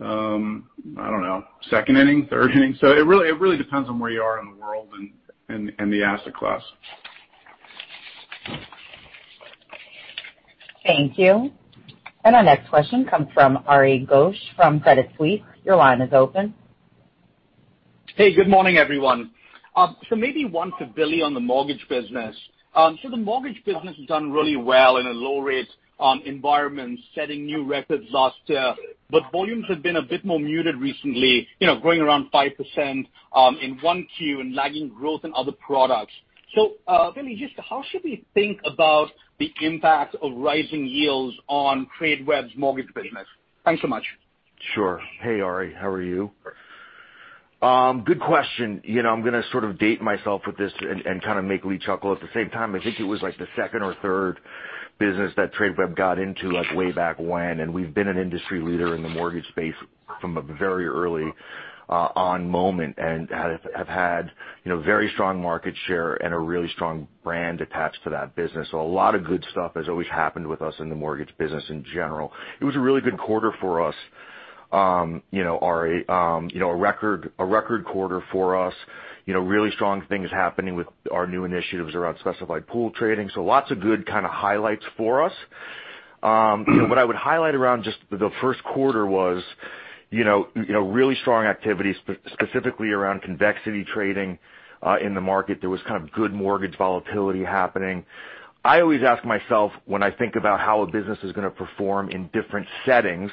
I don't know, second inning, third inning. It really depends on where you are in the world and the asset class.
Thank you. Our next question comes from Ari Ghosh from Credit Suisse. Your line is open.
Hey, good morning, everyone. Maybe one to Billy on the mortgage business. The mortgage business has done really well in a low-rate environment, setting new records last year. Volumes have been a bit more muted recently, growing around 5% in 1Q and lagging growth in other products. Billy, just how should we think about the impact of rising yields on Tradeweb's mortgage business? Thanks so much.
Sure. Hey, Ari. How are you? Good question. I'm going to sort of date myself with this and kind of make Lee chuckle at the same time. I think it was like the second or third business that Tradeweb got into like way back when. We've been an industry leader in the mortgage space from a very early on moment and have had very strong market share and a really strong brand attached to that business. A lot of good stuff has always happened with us in the mortgage business in general. It was a really good quarter for us. Ari, a record quarter for us. Really strong things happening with our new initiatives around specified pool trading. Lots of good kind of highlights for us. What I would highlight around just the first quarter was really strong activity specifically around convexity trading in the market. There was kind of good mortgage volatility happening. I always ask myself when I think about how a business is going to perform in different settings,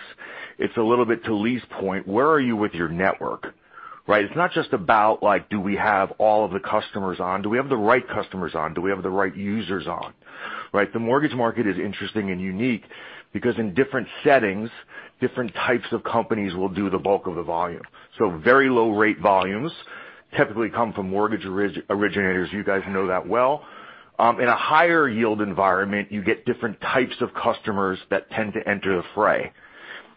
it's a little bit to Lee's point, where are you with your network, right? It's not just about, do we have all of the customers on? Do we have the right customers on? Do we have the right users on, right? The mortgage market is interesting and unique because in different settings, different types of companies will do the bulk of the volume. Very low rate volumes typically come from mortgage originators. You guys know that well. In a higher yield environment, you get different types of customers that tend to enter the fray,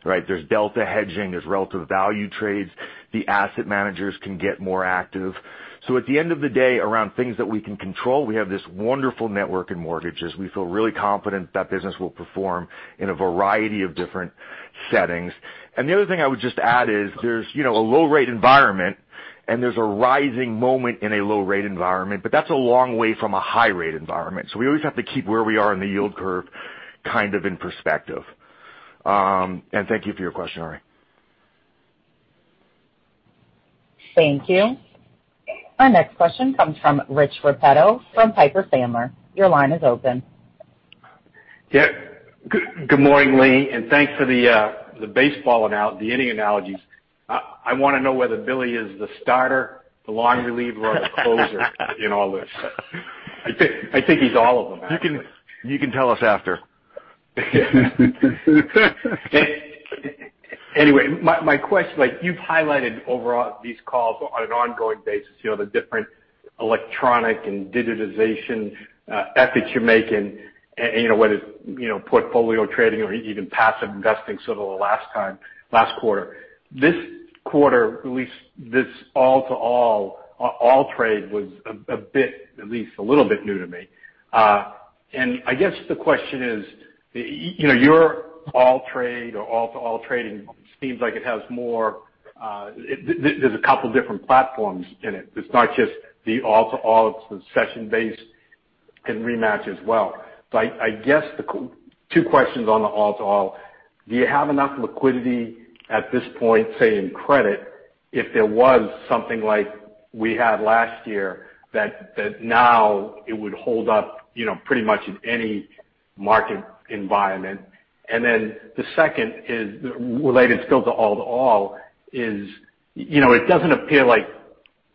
right? There's delta hedging. There's relative value trades. The asset managers can get more active. At the end of the day, around things that we can control, we have this wonderful network in mortgages. We feel really confident that business will perform in a variety of different settings. The other thing I would just add is there's a low rate environment and there's a rising moment in a low rate environment, but that's a long way from a high rate environment. We always have to keep where we are in the yield curve kind of in perspective. Thank you for your question, Ari.
Thank you. Our next question comes from Rich Repetto from Piper Sandler. Your line is open.
Good morning, Lee, and thanks for the baseball and the inning analogies. I want to know whether Billy is the starter, the long reliever, or the closer in all this?
I think he's all of them, actually.
You can tell us after. My question, you've highlighted over these calls on an ongoing basis, the different electronic and digitization efforts you're making and, whether it's Portfolio Trading or even passive investing, sort of the last quarter. This quarter, at least this all-to-all trade was a little bit new to me. I guess the question is, your all-to-all trading seems like there's a two different platforms in it. It's not just the all-to-all. It's the session-based and Rematch as well. I guess the two questions on the all-to-all, do you have enough liquidity at this point, say in credit, if there was something like we had last year that now it would hold up pretty much in any market environment? The second is related still to all-to-all, it doesn't appear like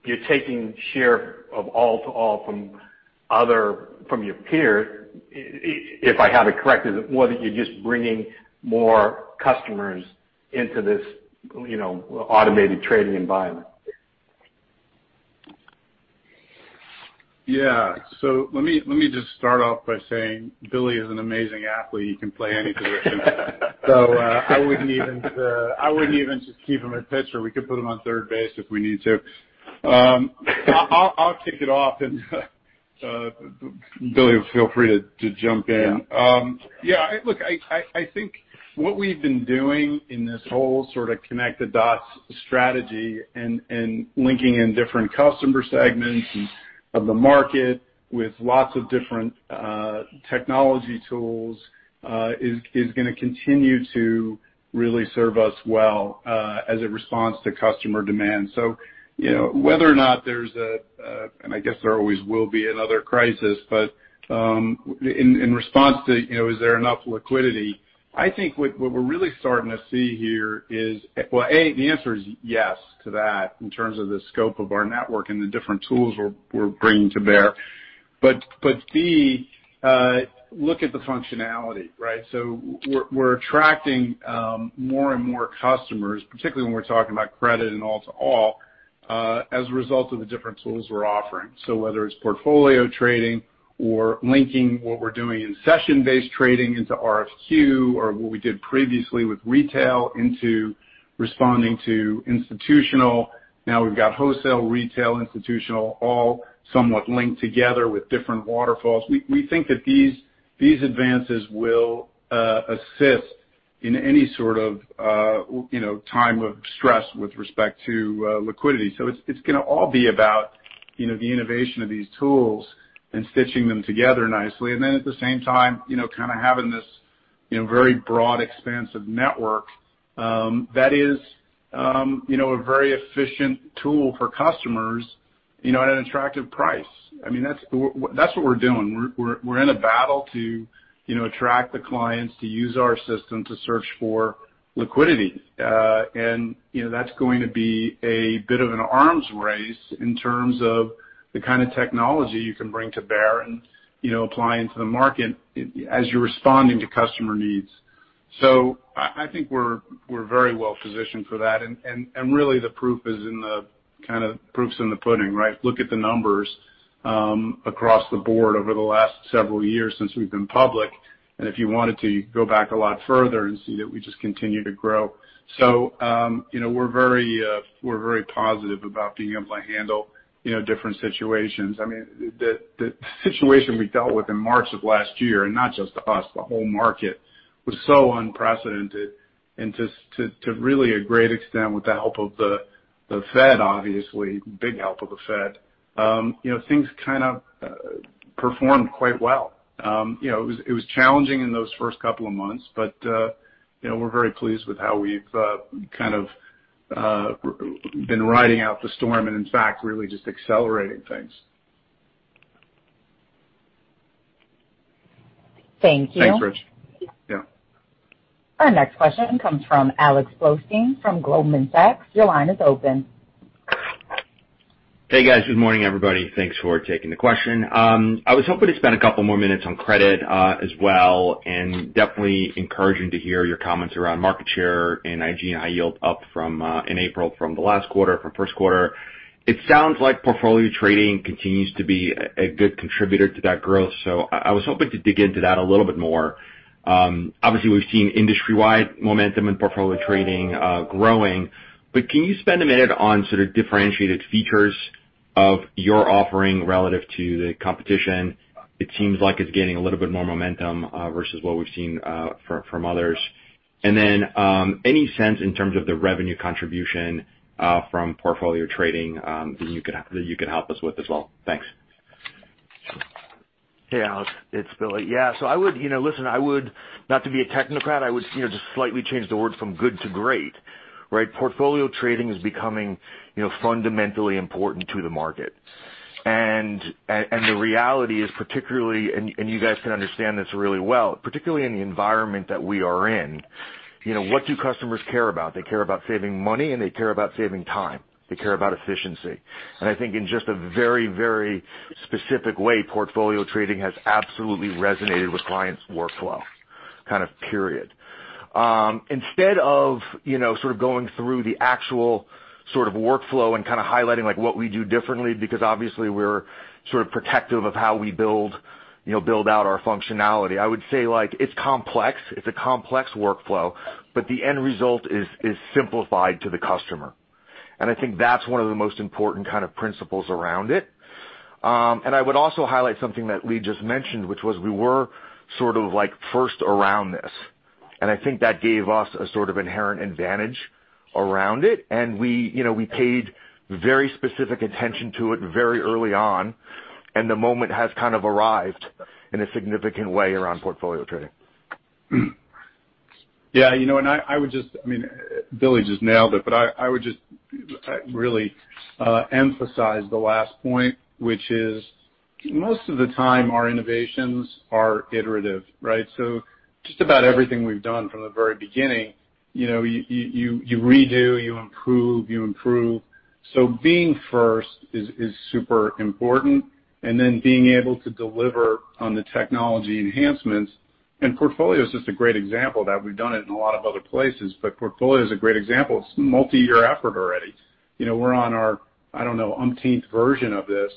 you're taking share of all-to-all from your peers, if I have it correct. Is it more that you're just bringing more customers into this automated trading environment?
Let me just start off by saying Billy is an amazing athlete. He can play any position. I wouldn't even just keep him at pitcher. We could put him on third base if we need to. I'll kick it off and, Billy, feel free to jump in.
Yeah.
I think what we've been doing in this whole sort of connect-the-dots strategy and linking in different customer segments of the market with lots of different technology tools, is going to continue to really serve us well, as it responds to customer demand. Whether or not there's a and I guess there always will be another crisis, but in response to is there enough liquidity, I think what we're really starting to see here is, well, A, the answer is yes to that in terms of the scope of our network and the different tools we're bringing to bear. B, look at the functionality, right? We're attracting more and more customers, particularly when we're talking about credit and all-to-all, as a result of the different tools we're offering. Whether it's Portfolio Trading or linking what we're doing in session-based trading into RFQ or what we did previously with retail into responding to institutional. We've got wholesale, retail, institutional, all somewhat linked together with different waterfalls. We think that these advances will assist in any sort of time of stress with respect to liquidity. It's going to all be about the innovation of these tools and stitching them together nicely. Then at the same time, kind of having this very broad, expansive network that is a very efficient tool for customers at an attractive price. I mean, that's what we're doing. We're in a battle to attract the clients to use our system to search for liquidity. That's going to be a bit of an arms race in terms of the kind of technology you can bring to bear and apply into the market as you're responding to customer needs. I think we're very well positioned for that. Really the proof's in the pudding, right? Look at the numbers across the board over the last several years since we've been public. If you wanted to, you could go back a lot further and see that we just continue to grow. We're very positive about being able to handle different situations. The situation we dealt with in March of last year, and not just us, the whole market, was so unprecedented, and to really a great extent, with the help of the Fed, obviously, big help of the Fed, things kind of performed quite well. It was challenging in those first couple of months, but we're very pleased with how we've kind of been riding out the storm and, in fact, really just accelerating things.
Thank you.
Thanks, Rich. Yeah.
Our next question comes from Alex Blostein from Goldman Sachs. Your line is open.
Hey, guys. Good morning, everybody. Thanks for taking the question. I was hoping to spend a couple more minutes on credit as well. Definitely encouraging to hear your comments around market share and IG and high yield up in April from the last quarter, from first quarter. It sounds like Portfolio Trading continues to be a good contributor to that growth. I was hoping to dig into that a little bit more. Obviously, we've seen industry-wide momentum in Portfolio Trading growing. Can you spend a minute on sort of differentiated features of your offering relative to the competition? It seems like it's gaining a little bit more momentum versus what we've seen from others. Any sense in terms of the revenue contribution from Portfolio Trading that you could help us with as well? Thanks.
Hey, Alex, it's Billy. Yeah. Listen, not to be a technocrat, I would just slightly change the word from good to great, right? Portfolio Trading is becoming fundamentally important to the market. The reality is, and you guys can understand this really well, particularly in the environment that we are in, what do customers care about? They care about saving money, and they care about saving time. They care about efficiency. I think in just a very specific way, Portfolio Trading has absolutely resonated with clients' workflow, kind of period. Instead of going through the actual workflow and kind of highlighting what we do differently, because obviously we're sort of protective of how we build out our functionality. I would say it's complex. It's a complex workflow, but the end result is simplified to the customer. I think that's one of the most important kind of principles around it. I would also highlight something that Lee just mentioned, which was we were sort of first around this, and I think that gave us a sort of inherent advantage around it. We paid very specific attention to it very early on, and the moment has kind of arrived in a significant way around Portfolio Trading.
Yeah. Billy just nailed it, but I would just really emphasize the last point, which is, most of the time, our innovations are iterative, right. Just about everything we've done from the very beginning, you redo, you improve. Being first is super important, and then being able to deliver on the technology enhancements. Portfolio is just a great example that we've done it in a lot of other places, but portfolio is a great example. It's a multi-year effort already. We're on our, I don't know, umpteenth version of this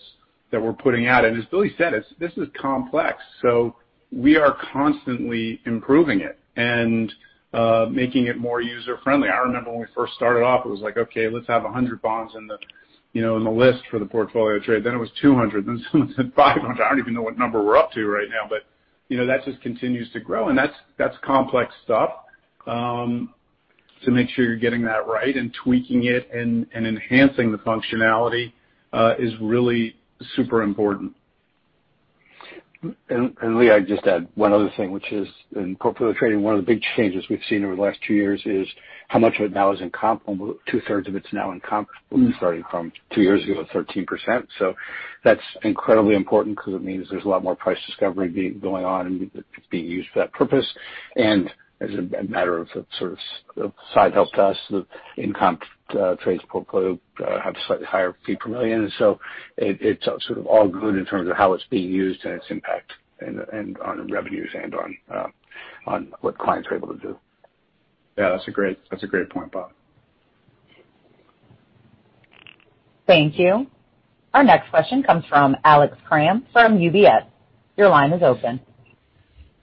that we're putting out. As Billy said, this is complex, so we are constantly improving it and making it more user-friendly. I remember when we first started off, it was like, "Okay, let's have 100 bonds in the list for the portfolio trade." It was 200, then someone said 500. I don't even know what number we're up to right now, but that just continues to grow, and that's complex stuff. To make sure you're getting that right and tweaking it and enhancing the functionality, is really super important.
Lee, I'd just add one other thing, which is in Portfolio Trading, one of the big changes we've seen over the last two years is how much of it now is in comp. 2/3 of it's now in comp, starting from two years ago, 13%. That's incredibly important because it means there's a lot more price discovery going on and being used for that purpose. As a matter of sort of side help to us, the in-comp trades portfolio have slightly higher fee per million. It's sort of all good in terms of how it's being used and its impact on revenues and on what clients are able to do.
Yeah, that's a great point, Bob.
Thank you. Our next question comes from Alex Kramm from UBS. Your line is open.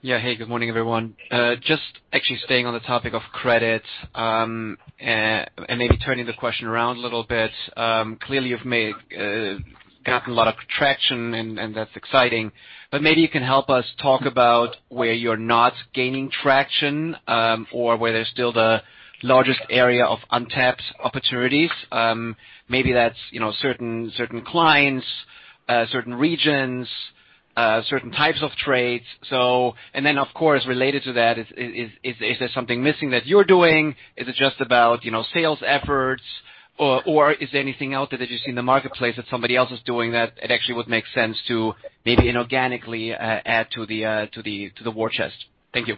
Yeah. Hey, good morning, everyone. Just actually staying on the topic of credit, and maybe turning the question around a little bit. Clearly, you've gotten a lot of traction, and that's exciting, but maybe you can help us talk about where you're not gaining traction, or where there's still the largest area of untapped opportunities. Maybe that's certain clients, certain regions, certain types of trades. Of course, related to that is there something missing that you're doing? Is it just about sales efforts, or is there anything else that you see in the marketplace that somebody else is doing that it actually would make sense to maybe inorganically add to the war chest? Thank you.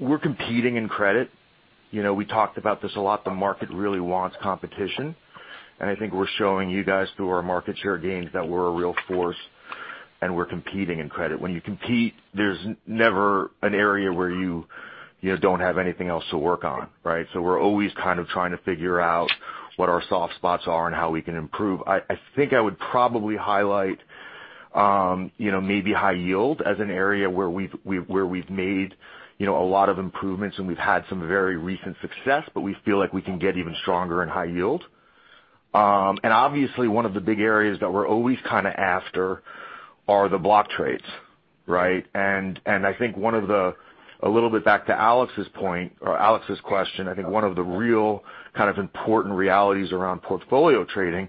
We're competing in credit. We talked about this a lot. The market really wants competition, I think we're showing you guys through our market share gains that we're a real force. We're competing in credit. When you compete, there's never an area where you don't have anything else to work on, right? We're always kind of trying to figure out what our soft spots are and how we can improve. I think I would probably highlight maybe high yield as an area where we've made a lot of improvements, and we've had some very recent success, but we feel like we can get even stronger in high yield. Obviously, one of the big areas that we're always kind of after are the block trades, right? I think, a little bit back to Alex's point, or Alex's question, I think one of the real kind of important realities around Portfolio Trading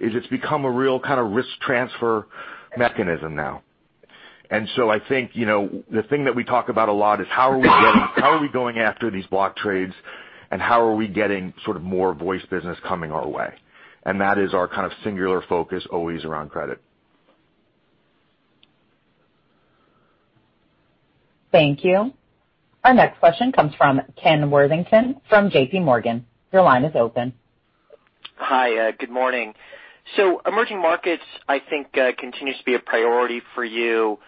is it's become a real kind of risk transfer mechanism now. I think, the thing that we talk about a lot is how are we going after these block trades and how are we getting sort of more voice business coming our way. That is our kind of singular focus always around credit.
Thank you. Our next question comes from Ken Worthington from JPMorgan. Your line is open.
Hi, good morning. Emerging markets, I think, continues to be a priority for you.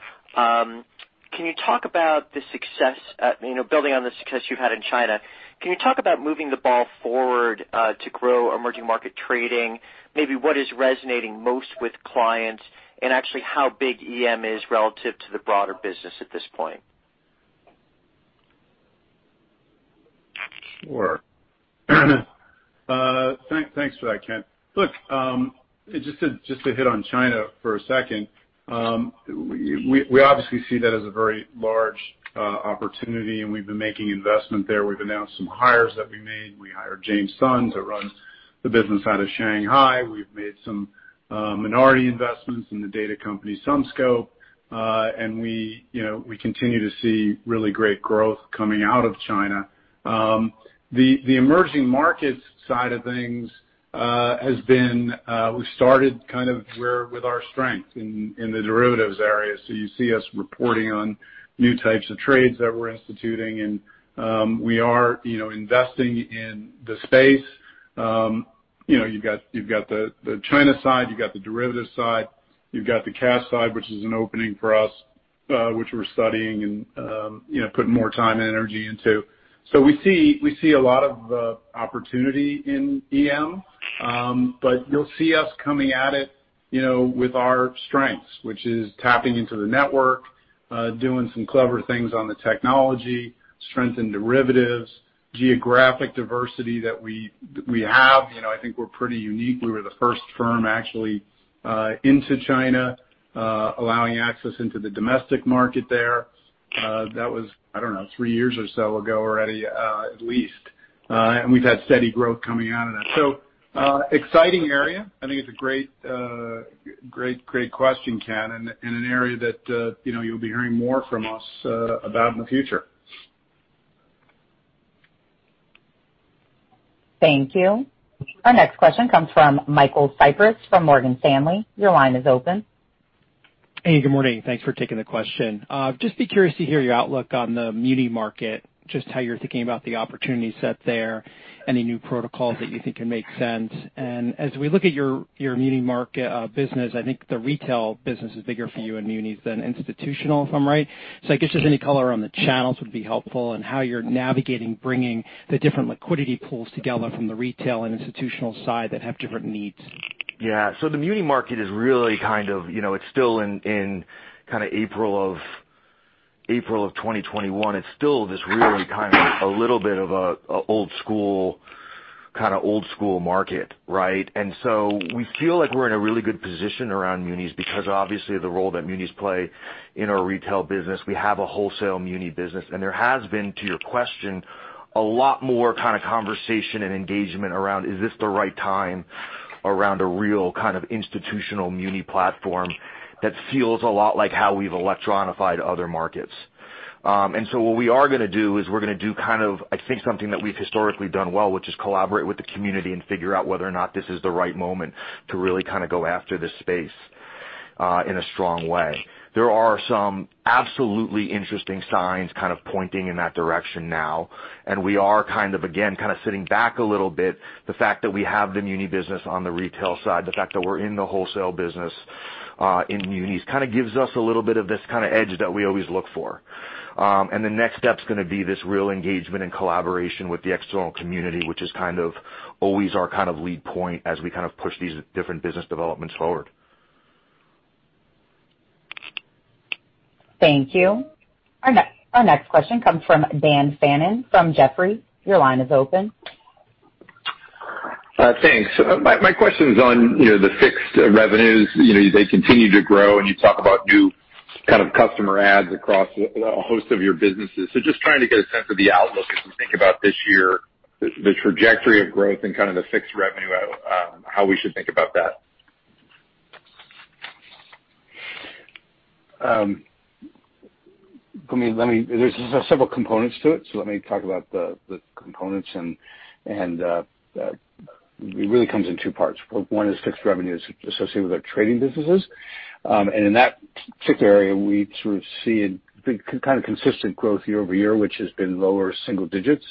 Building on the success you've had in China, can you talk about moving the ball forward to grow emerging market trading? Maybe what is resonating most with clients, and actually how big EM is relative to the broader business at this point?
Sure. Thanks for that, Ken. Look, just to hit on China for a second. We obviously see that as a very large opportunity, and we've been making investment there. We've announced some hires that we made. We hired James Sun to run the business out of Shanghai. We've made some minority investments in the data company Sunscope. We continue to see really great growth coming out of China. The emerging markets side of things, we started kind of with our strength in the derivatives area. You see us reporting on new types of trades that we're instituting, and we are investing in the space. You've got the China side, you've got the derivatives side, you've got the cash side, which is an opening for us, which we're studying and putting more time and energy into. We see a lot of opportunity in EM. You'll see us coming at it with our strengths, which is tapping into the network, doing some clever things on the technology, strength in derivatives, geographic diversity that we have. I think we're pretty unique. We were the first firm actually into China, allowing access into the domestic market there. That was, I don't know, three years or so ago already, at least. We've had steady growth coming out of that. Exciting area. I think it's a great question, Ken, and an area that you'll be hearing more from us about in the future.
Thank you. Our next question comes from Michael Cyprys from Morgan Stanley.
Hey, good morning. Thanks for taking the question. Just be curious to hear your outlook on the muni market, just how you're thinking about the opportunity set there, any new protocols that you think can make sense. As we look at your muni market business, I think the retail business is bigger for you in munis than institutional, if I'm right. I guess just any color on the channels would be helpful and how you're navigating bringing the different liquidity pools together from the retail and institutional side that have different needs?
Yeah. The muni market, in April of 2021, it's still this really kind of a little bit of an old school market, right? We feel like we're in a really good position around munis because obviously the role that munis play in our retail business, we have a wholesale muni business. There has been, to your question, a lot more kind of conversation and engagement around, "Is this the right time?" around a real kind of institutional muni platform that feels a lot like how we've electronified other markets. What we are going to do is we're going to do I think, something that we've historically done well, which is collaborate with the community and figure out whether or not this is the right moment to really kind of go after this space in a strong way. There are some absolutely interesting signs kind of pointing in that direction now, and we are kind of, again, kind of sitting back a little bit. The fact that we have the muni business on the retail side, the fact that we're in the wholesale business in munis kind of gives us a little bit of this kind of edge that we always look for. The next step's going to be this real engagement and collaboration with the external community, which is kind of always our kind of lead point as we kind of push these different business developments forward.
Thank you. Our next question comes from Dan Fannon from Jefferies. Your line is open.
Thanks. My question's on the fixed revenues. They continue to grow, and you talk about new kind of customer adds across a host of your businesses. Just trying to get a sense of the outlook as we think about this year, the trajectory of growth and kind of the fixed revenue, how we should think about that?
There's several components to it. Let me talk about the components. It really comes in two parts. One is fixed revenues associated with our trading businesses. In that particular area, we sort of see a kind of consistent growth year-over-year, which has been lower single digits,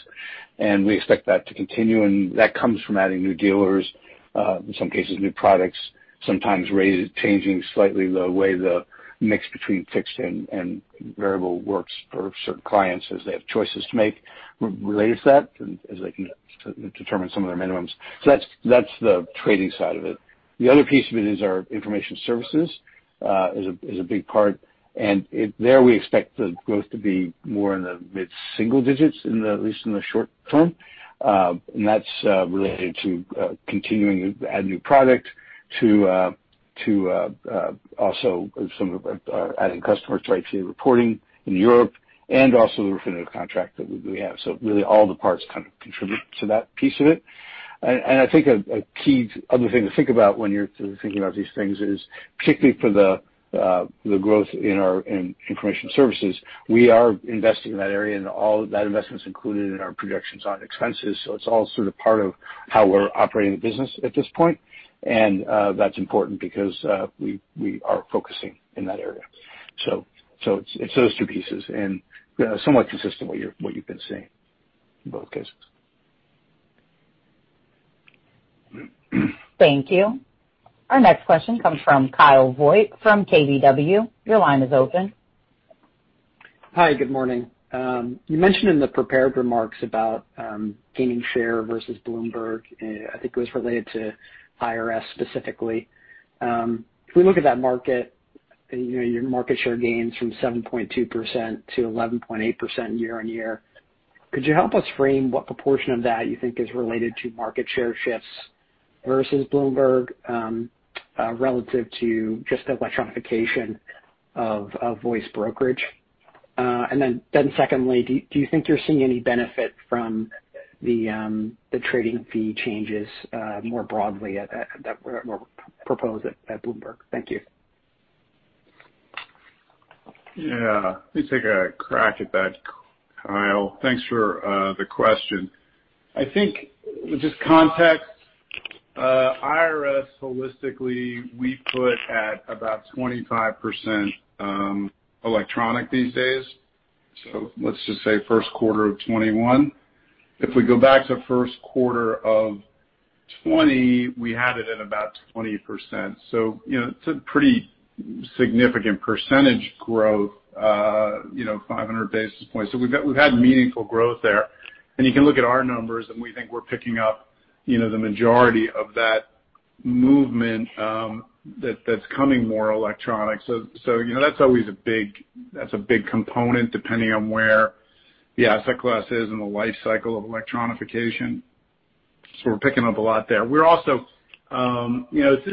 and we expect that to continue. That comes from adding new dealers, in some cases, new products, sometimes changing slightly the way the mix between fixed and variable works for certain clients as they have choices to make related to that, and as they can determine some of their minimums. That's the trading side of it. The other piece of it is our information services, is a big part. There we expect the growth to be more in the mid-single digits, at least in the short term. That's related to continuing to add new product, to also some of adding customers, [Trade and transaction] reporting in Europe and also the Refinitiv contract that we have. Really all the parts kind of contribute to that piece of it. I think a key other thing to think about when you're thinking about these things is, particularly for the growth in information services, we are investing in that area, and all that investment's included in our projections on expenses. It's all sort of part of how we're operating the business at this point. That's important because we are focusing in that area. It's those two pieces and somewhat consistent what you've been seeing in both cases.
Thank you. Our next question comes from Kyle Voigt from KBW. Your line is open.
Hi, good morning. You mentioned in the prepared remarks about gaining share versus Bloomberg, I think it was related to IRS specifically. If we look at that market, your market share gains from 7.2%-11.8% year-on-year, could you help us frame what proportion of that you think is related to market share shifts versus Bloomberg, relative to just electronification of voice brokerage? Secondly, do you think you're seeing any benefit from the trading fee changes more broadly that were proposed at Bloomberg? Thank you.
Yeah. Let me take a crack at that, Kyle. Thanks for the question. I think just context, IRS holistically, we put at about 25% electronic these days. Let's just say first quarter of 2021. If we go back to first quarter of 2020, we had it at about 20%. It's a pretty significant percentage growth, 500 basis points. We've had meaningful growth there. You can look at our numbers, and we think we're picking up the majority of that movement that's coming more electronic. That's a big component depending on where the asset class is in the life cycle of electronification. We're picking up a lot there. This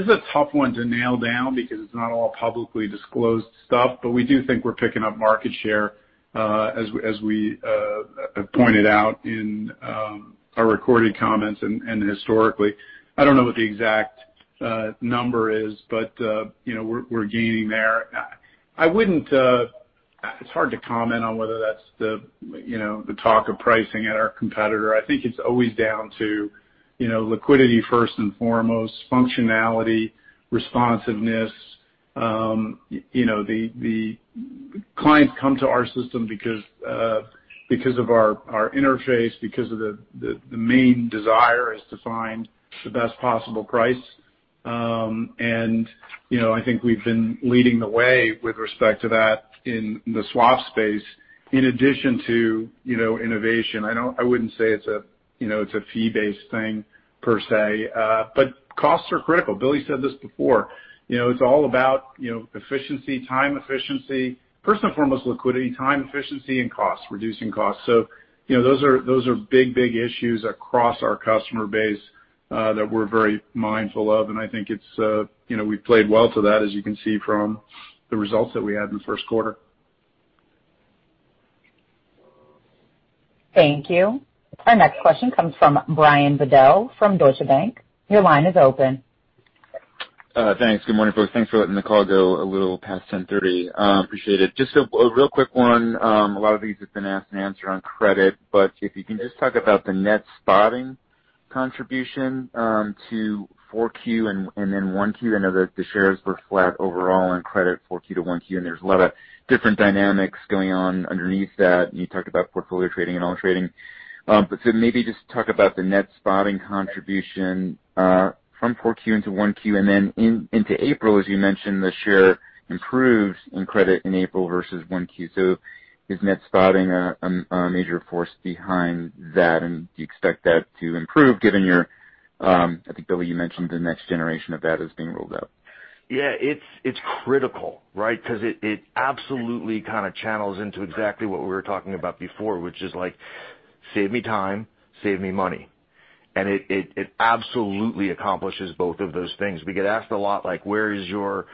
is a tough one to nail down because it's not all publicly disclosed stuff, but we do think we're picking up market share, as we pointed out in our recorded comments and historically. I don't know what the exact number is, we're gaining there. It's hard to comment on whether that's the talk of pricing at our competitor. I think it's always down to liquidity first and foremost, functionality, responsiveness. The clients come to our system because of our interface, because of the main desire is to find the best possible price. I think we've been leading the way with respect to that in the swap space in addition to innovation. I wouldn't say it's a fee-based thing per se. Costs are critical. Billy said this before. It's all about efficiency, time efficiency, first and foremost, liquidity, time efficiency, and costs, reducing costs. Those are big issues across our customer base that we're very mindful of. I think we've played well to that, as you can see from the results that we had in the first quarter.
Thank you. Our next question comes from Brian Bedell from Deutsche Bank. Your line is open.
Thanks. Good morning, folks. Thanks for letting the call go a little past 10:30. Appreciate it. Just a real quick one. A lot of these have been asked and answered on credit. If you can just talk about the Net Spotting contribution to 4Q and then 1Q. I know that the shares were flat overall in credit 4Q-1Q, and there's a lot of different dynamics going on underneath that, and you talked about Portfolio Trading and AllTrade. Maybe just talk about the Net Spotting contribution from 4Q into 1Q. Then into April, as you mentioned, the share improved in credit in April versus 1Q. Is Net Spotting a major force behind that, and do you expect that to improve given your, I think, Billy, you mentioned the next generation of that is being rolled out?
Yeah, it's critical, right? It absolutely kind of channels into exactly what we were talking about before, which is save me time, save me money. It absolutely accomplishes both of those things. We get asked a lot, "Where is your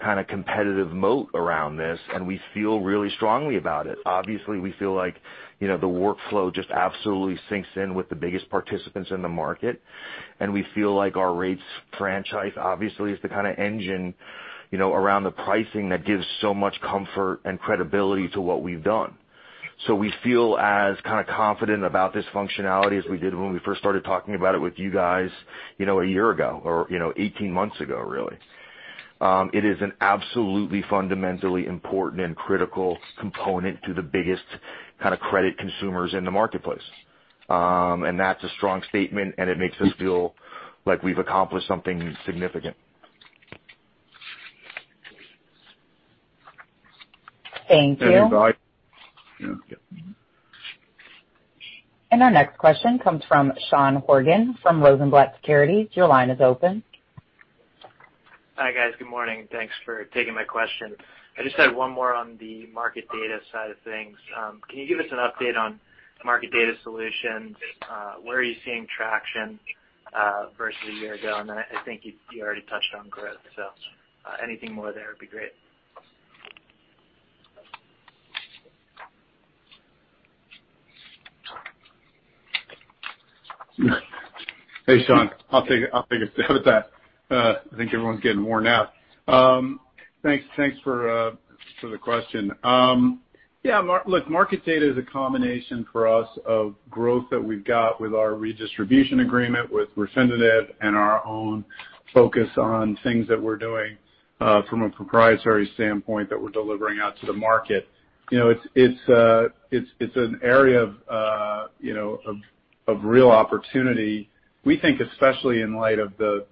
kind of competitive moat around this?" We feel really strongly about it. Obviously, we feel like the workflow just absolutely sinks in with the biggest participants in the market, and we feel like our rates franchise obviously is the kind of engine around the pricing that gives so much comfort and credibility to what we've done. We feel as confident about this functionality as we did when we first started talking about it with you guys a year ago, or 18 months ago, really. It is an absolutely fundamentally important and critical component to the biggest kind of credit consumers in the marketplace. That's a strong statement, and it makes us feel like we've accomplished something significant.
Thank you. Our next question comes from Sean Horgan from Rosenblatt Securities. Your line is open.
Hi, guys. Good morning. Thanks for taking my question. I just had one more on the market data side of things. Can you give us an update on market data solutions? Where are you seeing traction, versus a year ago? I think you already touched on growth, anything more there would be great?
Hey, Sean. I'll take a stab at that. I think everyone's getting worn out. Thanks for the question. Yeah, look, market data is a combination for us of growth that we've got with our redistribution agreement with Refinitiv and our own focus on things that we're doing from a proprietary standpoint that we're delivering out to the market. It's an area of real opportunity. We think, especially in light of the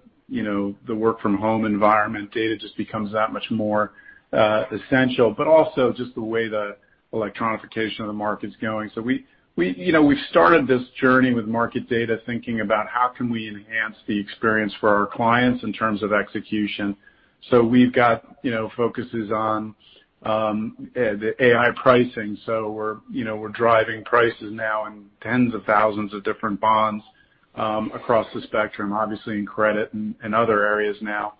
work-from-home environment, data just becomes that much more essential, but also just the way the electronification of the market's going. We've started this journey with market data, thinking about how can we enhance the experience for our clients in terms of execution. We've got focuses on the AI pricing. We're driving prices now in tens of thousands of different bonds across the spectrum, obviously in credit and other areas now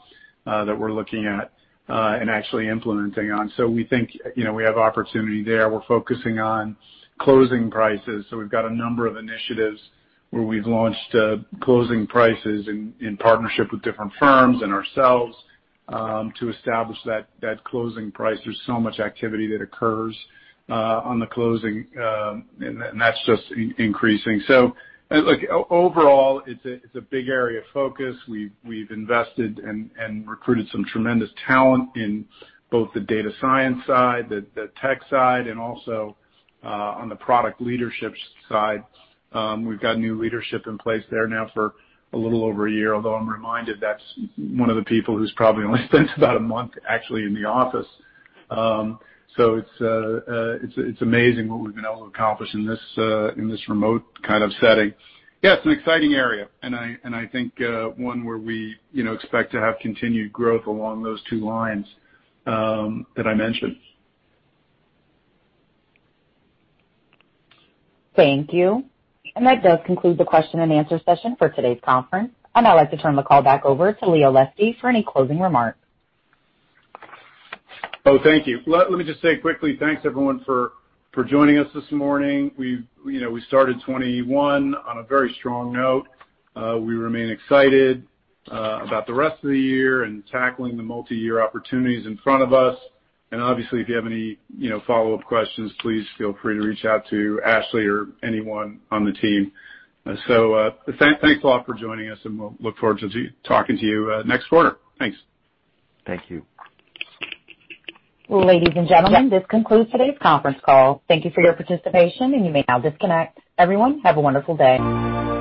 that we're looking at and actually implementing on. We think we have opportunity there. We're focusing on closing prices. We've got a number of initiatives where we've launched closing prices in partnership with different firms and ourselves, to establish that closing price. There's so much activity that occurs on the closing, and that's just increasing. Look, overall, it's a big area of focus. We've invested and recruited some tremendous talent in both the data science side, the tech side, and also on the product leadership side. We've got new leadership in place there now for a little over a year, although I'm reminded that's one of the people who's probably only spent about a month actually in the office. It's amazing what we've been able to accomplish in this remote kind of setting. Yeah, it's an exciting area, and I think one where we expect to have continued growth along those two lines that I mentioned.
Thank you. That does conclude the question and answer session for today's conference. I'd now like to turn the call back over to Lee Olesky for any closing remarks.
Oh, thank you. Let me just say quickly, thanks, everyone, for joining us this morning. We started 2021 on a very strong note. We remain excited about the rest of the year and tackling the multi-year opportunities in front of us. Obviously, if you have any follow-up questions, please feel free to reach out to Ashley or anyone on the team. Thanks a lot for joining us, and we'll look forward to talking to you next quarter. Thanks.
Thank you.
Ladies and gentlemen, this concludes today's conference call. Thank you for your participation, and you may now disconnect. Everyone, have a wonderful day.